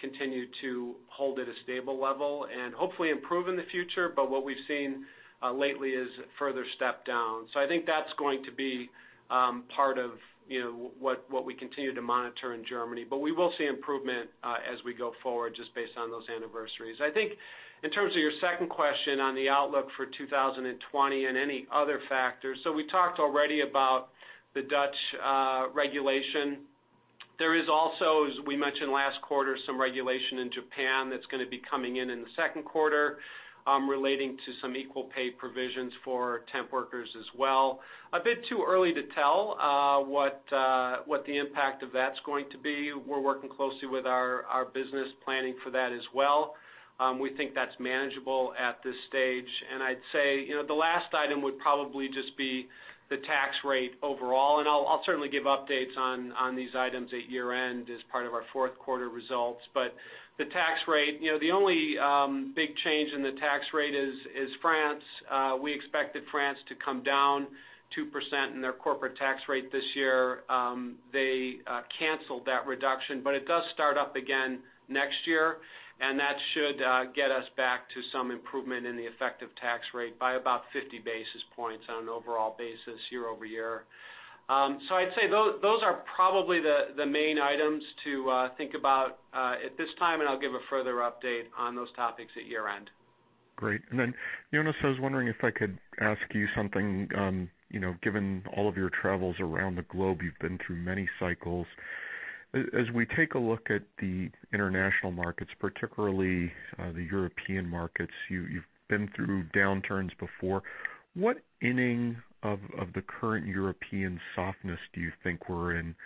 continue to hold at a stable level and hopefully improve in the future. What we've seen lately is a further step down. I think that's going to be part of what we continue to monitor in Germany. We will see improvement as we go forward just based on those anniversaries. I think in terms of your second question on the outlook for 2020 and any other factors. We talked already about the Dutch regulation. There is also, as we mentioned last quarter, some regulation in Japan that's going to be coming in the second quarter, relating to some equal pay provisions for temp workers as well. A bit too early to tell what the impact of that's going to be. We're working closely with our business planning for that as well. We think that's manageable at this stage. I'd say, the last item would probably just be the tax rate overall, and I'll certainly give updates on these items at year-end as part of our fourth quarter results. The tax rate, the only big change in the tax rate is France. We expected France to come down 2% in their corporate tax rate this year. They canceled that reduction, but it does start up again next year, and that should get us back to some improvement in the effective tax rate by about 50 basis points on an overall basis year-over-year. I'd say those are probably the main items to think about at this time, and I'll give a further update on those topics at year-end. Great. Jonas, I was wondering if I could ask you something. Given all of your travels around the globe, you've been through many cycles. As we take a look at the international markets, particularly the European markets, you've been through downturns before. What inning of the current European softness do you think we're in?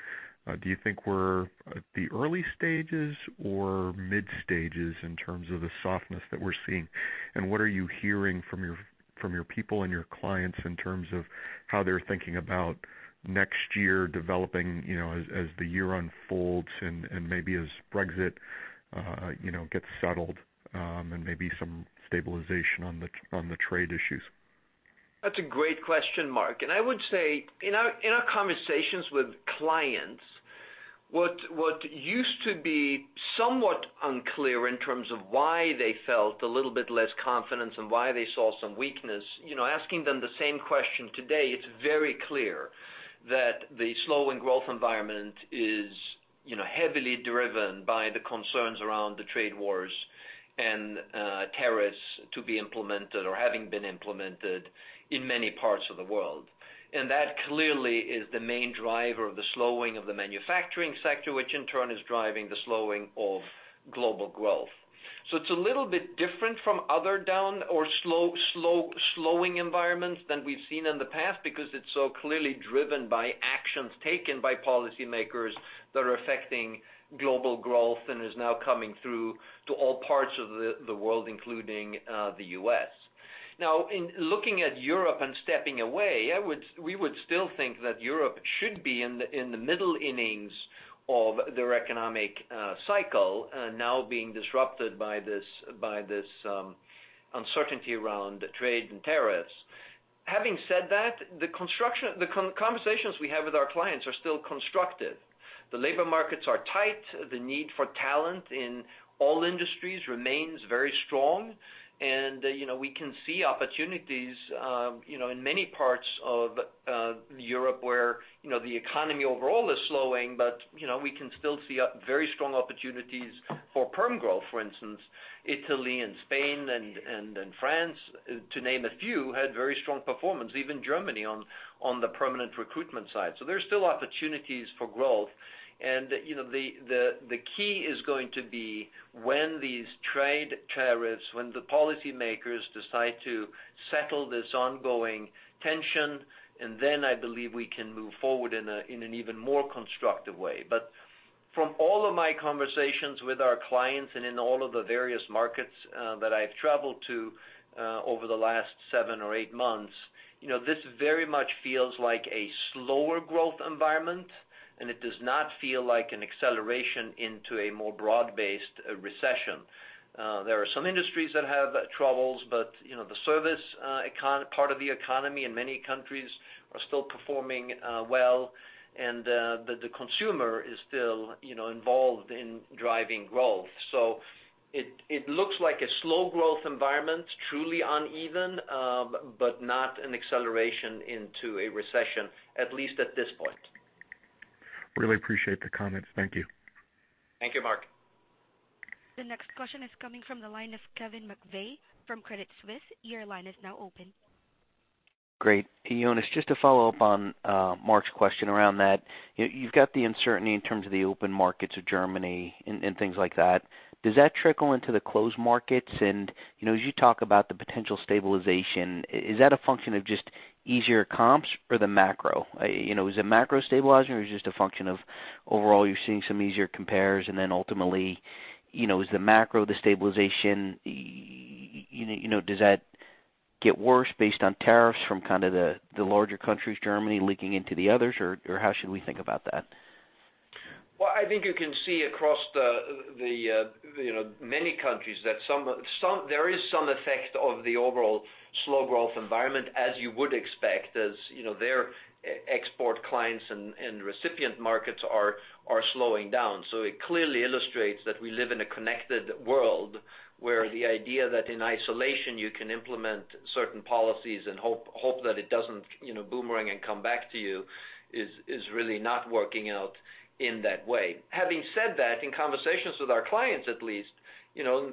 Do you think we're at the early stages or mid stages in terms of the softness that we're seeing? What are you hearing from your people and your clients in terms of how they're thinking about next year developing as the year unfolds and maybe as Brexit gets settled, and maybe some stabilization on the trade issues? That's a great question, Mark. I would say in our conversations with clients, what used to be somewhat unclear in terms of why they felt a little bit less confidence and why they saw some weakness. Asking them the same question today, it's very clear that the slowing growth environment is heavily driven by the concerns around the trade wars and tariffs to be implemented or having been implemented in many parts of the world. That clearly is the main driver of the slowing of the manufacturing sector, which in turn is driving the slowing of global growth. It's a little bit different from other down or slowing environments than we've seen in the past because it's so clearly driven by actions taken by policymakers that are affecting global growth and is now coming through to all parts of the world, including the U.S. In looking at Europe and stepping away, we would still think that Europe should be in the middle innings of their economic cycle, now being disrupted by this uncertainty around trade and tariffs. Having said that, the conversations we have with our clients are still constructive. The labor markets are tight. The need for talent in all industries remains very strong. We can see opportunities in many parts of Europe where the economy overall is slowing, but we can still see very strong opportunities for perm growth. For instance, Italy and Spain and France, to name a few, had very strong performance, even Germany, on the permanent recruitment side. There's still opportunities for growth. The key is going to be when these trade tariffs, when the policymakers decide to settle this ongoing tension, I believe we can move forward in an even more constructive way. From all of my conversations with our clients and in all of the various markets that I've traveled to over the last seven or eight months, this very much feels like a slower growth environment, and it does not feel like an acceleration into a more broad-based recession. There are some industries that have troubles, but the service part of the economy in many countries are still performing well, and the consumer is still involved in driving growth. It looks like a slow growth environment, truly uneven, but not an acceleration into a recession, at least at this point. Really appreciate the comments. Thank you. Thank you, Mark. The next question is coming from the line of Kevin McVeigh from Credit Suisse. Your line is now open. Great. Jonas, just to follow up on Mark's question around that, you've got the uncertainty in terms of the open markets of Germany and things like that. Does that trickle into the closed markets? As you talk about the potential stabilization, is that a function of just easier comps or the macro? Is it macro stabilizing or is it just a function of overall you're seeing some easier compares and then ultimately, is the macro, the stabilization, does that get worse based on tariffs from kind of the larger countries, Germany leaking into the others, or how should we think about that? Well, I think you can see across many countries that there is some effect of the overall slow growth environment, as you would expect, as their export clients and recipient markets are slowing down. It clearly illustrates that we live in a connected world where the idea that in isolation you can implement certain policies and hope that it doesn't boomerang and come back to you is really not working out in that way. Having said that, in conversations with our clients at least,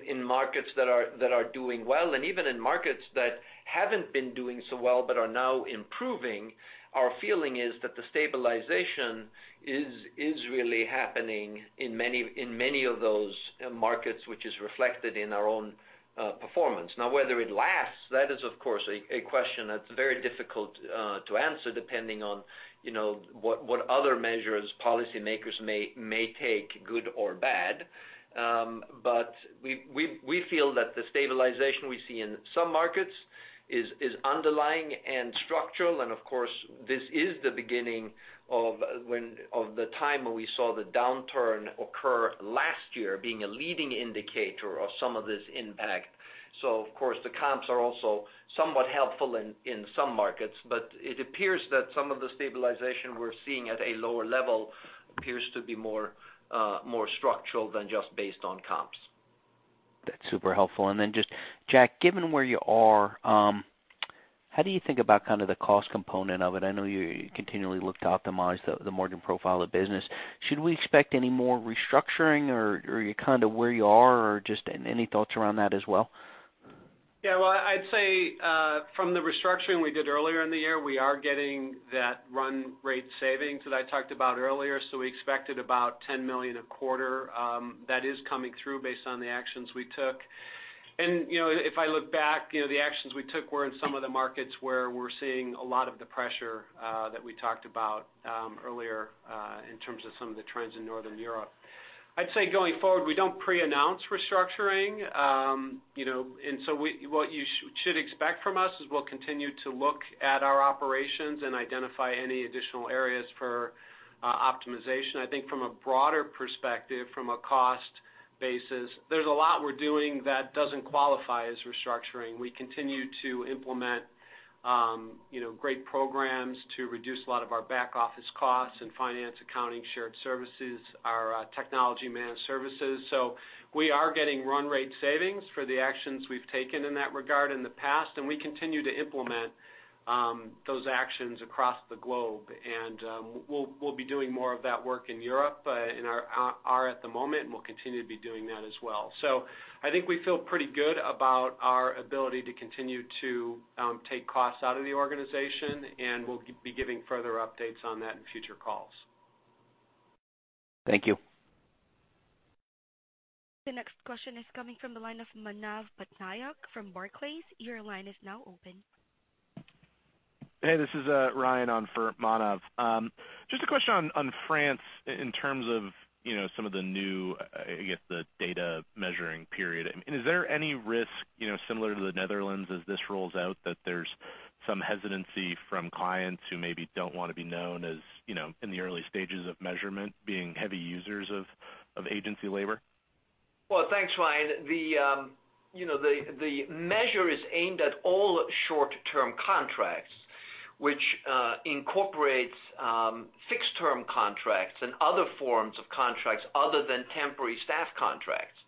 in markets that are doing well and even in markets that haven't been doing so well but are now improving, our feeling is that the stabilization is really happening in many of those markets, which is reflected in our own performance. Whether it lasts, that is, of course, a question that's very difficult to answer, depending on what other measures policymakers may take, good or bad. We feel that the stabilization we see in some markets is underlying and structural, and of course, this is the beginning of the time when we saw the downturn occur last year, being a leading indicator of some of this impact. Of course, the comps are also somewhat helpful in some markets, but it appears that some of the stabilization we're seeing at a lower level appears to be more structural than just based on comps. That's super helpful. Just, Jack, given where you are, how do you think about the cost component of it? I know you continually look to optimize the margin profile of the business. Should we expect any more restructuring, or are you kind of where you are, or just any thoughts around that as well? Well, I'd say from the restructuring we did earlier in the year, we are getting that run rate savings that I talked about earlier. We expected about $10 million a quarter. That is coming through based on the actions we took. If I look back, the actions we took were in one of the markets where we're seeing a lot of the pressure that we talked about earlier in terms of some of the trends in Northern Europe. I'd say going forward, we don't pre-announce restructuring. What you should expect from us is we'll continue to look at our operations and identify any additional areas for optimization. I think from a broader perspective, from a cost basis, there's a lot we're doing that doesn't qualify as restructuring. We continue to implement great programs to reduce a lot of our back-office costs in finance, accounting, shared services, our technology-managed services. We are getting run rate savings for the actions we've taken in that regard in the past, and we continue to implement those actions across the globe. We'll be doing more of that work in Europe and are at the moment, and we'll continue to be doing that as well. I think we feel pretty good about our ability to continue to take costs out of the organization, and we'll be giving further updates on that in future calls. Thank you. The next question is coming from the line of Manav Patnaik from Barclays. Your line is now open. Hey, this is Ryan on for Manav. A question on France in terms of some of the new, I guess the data measuring period. Is there any risk, similar to the Netherlands as this rolls out, that there's some hesitancy from clients who maybe don't want to be known as, in the early stages of measurement, being heavy users of agency labor? Well, thanks, Ryan. The measure is aimed at all short-term contracts, which incorporates fixed-term contracts and other forms of contracts other than temporary staff contracts.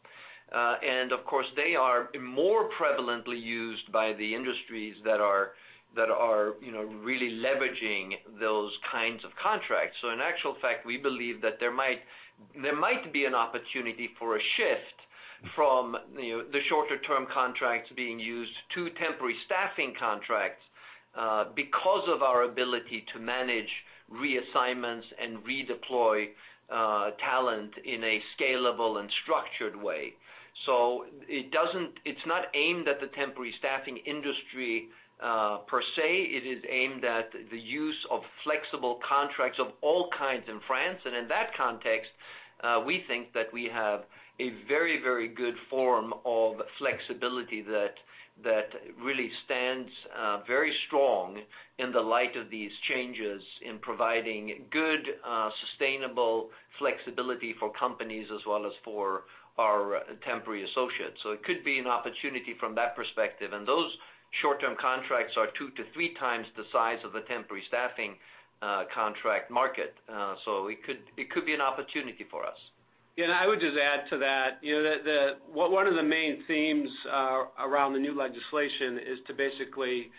Of course, they are more prevalently used by the industries that are really leveraging those kinds of contracts. In actual fact, we believe that there might be an opportunity for a shift from the shorter-term contracts being used to temporary staffing contracts, because of our ability to manage reassignments and redeploy talent in a scalable and structured way. It's not aimed at the temporary staffing industry, per se. It is aimed at the use of flexible contracts of all kinds in France. In that context, we think that we have a very good form of flexibility that really stands very strong in the light of these changes in providing good, sustainable flexibility for companies as well as for our temporary associates. It could be an opportunity from that perspective. Those short-term contracts are two to three times the size of the temporary staffing contract market. It could be an opportunity for us. Yeah, I would just add to that. One of the main themes around the new legislation is to basically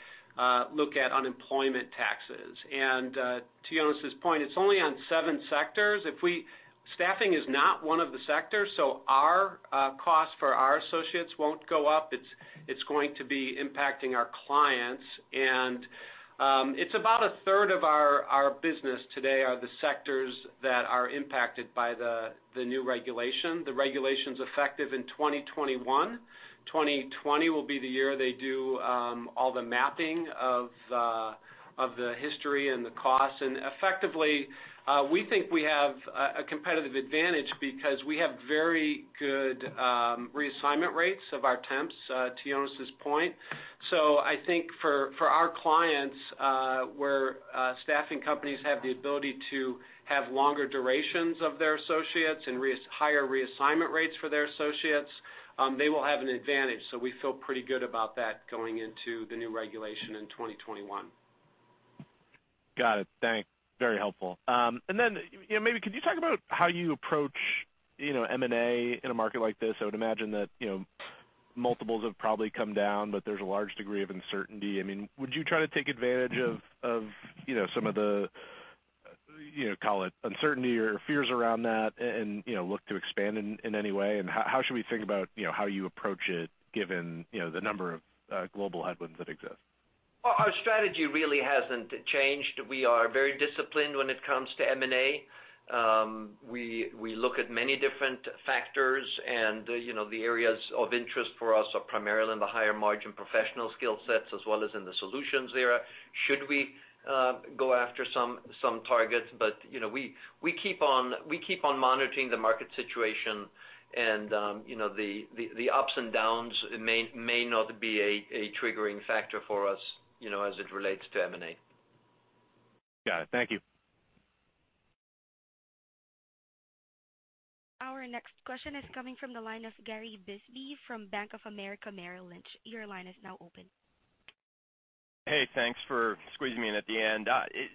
look at unemployment taxes. To Jonas's point, it's only on seven sectors. Staffing is not one of the sectors. Our costs for our associates won't go up. It's going to be impacting our clients. It's about a third of our business today are the sectors that are impacted by the new regulation. The regulation's effective in 2021. 2020 will be the year they do all the mapping of the history and the costs. Effectively, we think we have a competitive advantage because we have very good reassignment rates of our temps, to Jonas's point. I think for our clients, where staffing companies have the ability to have longer durations of their associates and higher reassignment rates for their associates, they will have an advantage. We feel pretty good about that going into the new regulation in 2021. Got it. Thanks. Very helpful. Maybe could you talk about how you approach M&A in a market like this? I would imagine that multiples have probably come down, but there's a large degree of uncertainty. Would you try to take advantage of some of the, call it uncertainty or fears around that and look to expand in any way? How should we think about how you approach it given the number of global headwinds that exist? Our strategy really hasn't changed. We are very disciplined when it comes to M&A. We look at many different factors, and the areas of interest for us are primarily in the higher margin professional skill sets as well as in the solutions area. Should we go after some targets, but we keep on monitoring the market situation and the ups and downs may not be a triggering factor for us, as it relates to M&A. Got it. Thank you. Our next question is coming from the line of Gary Bisbee from Bank of America Merrill Lynch. Your line is now open. Hey, thanks for squeezing me in at the end.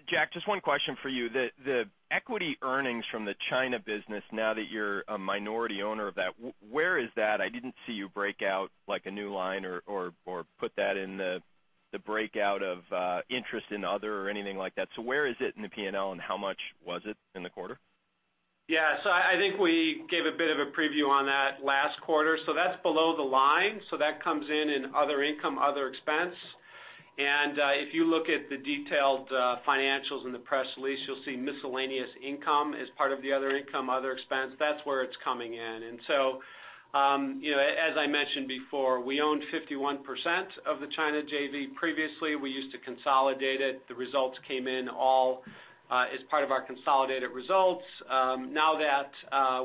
Jack, just one question for you. The equity earnings from the China business now that you're a minority owner of that, where is that? I didn't see you break out a new line or put that in the breakout of interest in other or anything like that. Where is it in the P&L and how much was it in the quarter? Yeah. I think we gave a bit of a preview on that last quarter. That's below the line. That comes in in other income, other expense. If you look at the detailed financials in the press release, you'll see miscellaneous income as part of the other income, other expense. That's where it's coming in. As I mentioned before, we owned 51% of the China JV previously. We used to consolidate it. The results came in all as part of our consolidated results.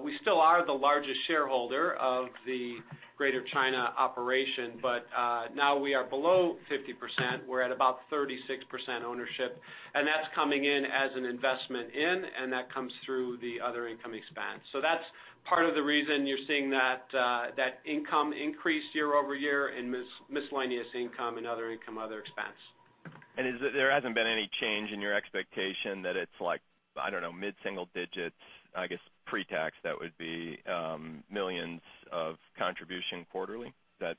We still are the largest shareholder of the Greater China operation. Now we are below 50%. We're at about 36% ownership, and that's coming in as an investment in, and that comes through the other income expense. That's part of the reason you're seeing that income increase year-over-year in miscellaneous income and other income, other expense. There hasn't been any change in your expectation that it's like, I don't know, mid-single digits, I guess pre-tax, that would be millions of contribution quarterly? Is that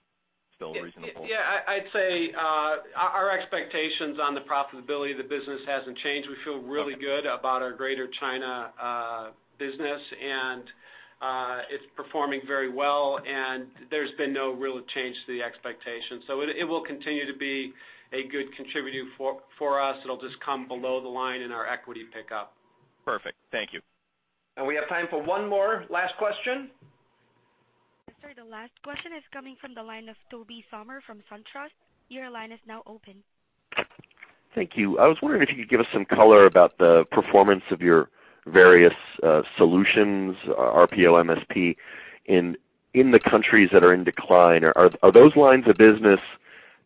still reasonable? Yeah. I'd say our expectations on the profitability of the business hasn't changed. We feel really good about our Greater China business and it's performing very well, and there's been no real change to the expectations. It will continue to be a good contributor for us. It'll just come below the line in our equity pickup. Perfect. Thank you. We have time for one more last question. Yes, sir. The last question is coming from the line of Tobey Sommer from SunTrust. Your line is now open. Thank you. I was wondering if you could give us some color about the performance of your various solutions, RPO, MSP, in the countries that are in decline. Are those lines of business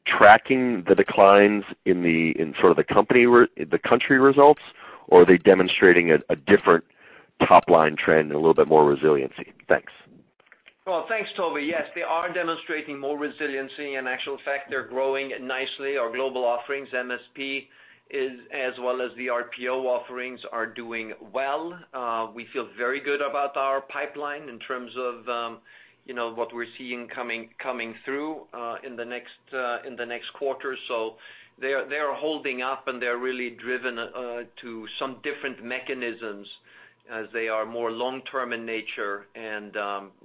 tracking the declines in sort of the country results, or are they demonstrating a different top-line trend and a little bit more resiliency? Thanks. Well, thanks, Tobey. Yes, they are demonstrating more resiliency. In actual fact, they're growing nicely. Our global offerings, MSP, as well as the RPO offerings, are doing well. We feel very good about our pipeline in terms of what we're seeing coming through in the next quarter. They are holding up, and they're really driven to some different mechanisms as they are more long-term in nature, and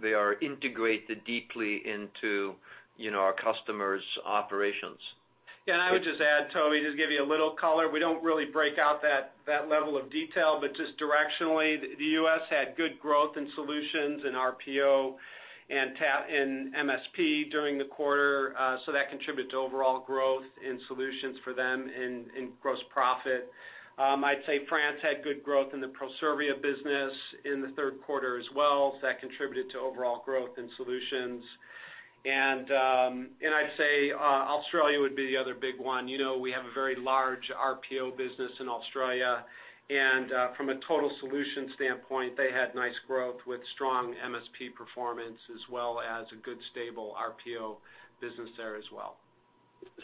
they are integrated deeply into our customers' operations. I would just add, Tobey, just give you a little color. We don't really break out that level of detail, but just directionally, the U.S. had good growth in solutions in RPO and MSP during the quarter. That contributed to overall growth in solutions for them in gross profit. I'd say France had good growth in the Proservia business in the third quarter as well. That contributed to overall growth in solutions. I'd say Australia would be the other big one. We have a very large RPO business in Australia, and from a total solution standpoint, they had nice growth with strong MSP performance as well as a good, stable RPO business there as well.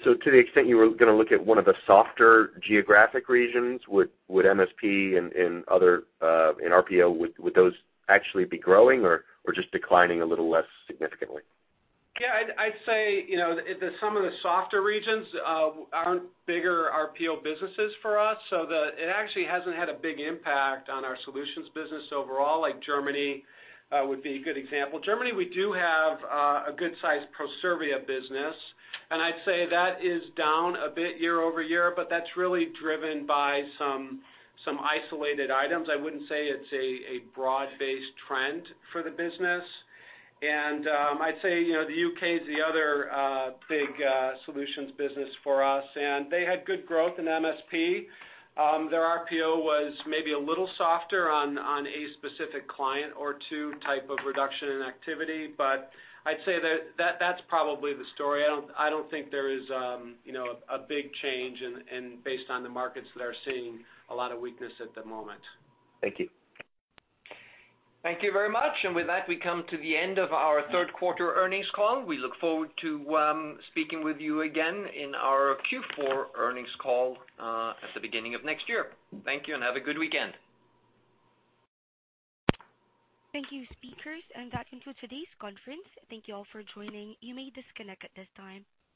To the extent you were going to look at one of the softer geographic regions, would MSP and RPO, would those actually be growing or just declining a little less significantly? Yeah, I'd say, some of the softer regions aren't bigger RPO businesses for us, so it actually hasn't had a big impact on our Solutions business overall, like Germany would be a good example. Germany, we do have a good-sized Proservia business, and I'd say that is down a bit year-over-year, but that's really driven by some isolated items. I wouldn't say it's a broad-based trend for the business. I'd say, the U.K. is the other big Solutions business for us, and they had good growth in MSP. Their RPO was maybe a little softer on a specific client or two type of reduction in activity. I'd say that's probably the story. I don't think there is a big change based on the markets that are seeing a lot of weakness at the moment. Thank you. Thank you very much. With that, we come to the end of our third quarter earnings call. We look forward to speaking with you again in our Q4 earnings call at the beginning of next year. Thank you, and have a good weekend. Thank you, speakers. That concludes today's conference. Thank you all for joining. You may disconnect at this time.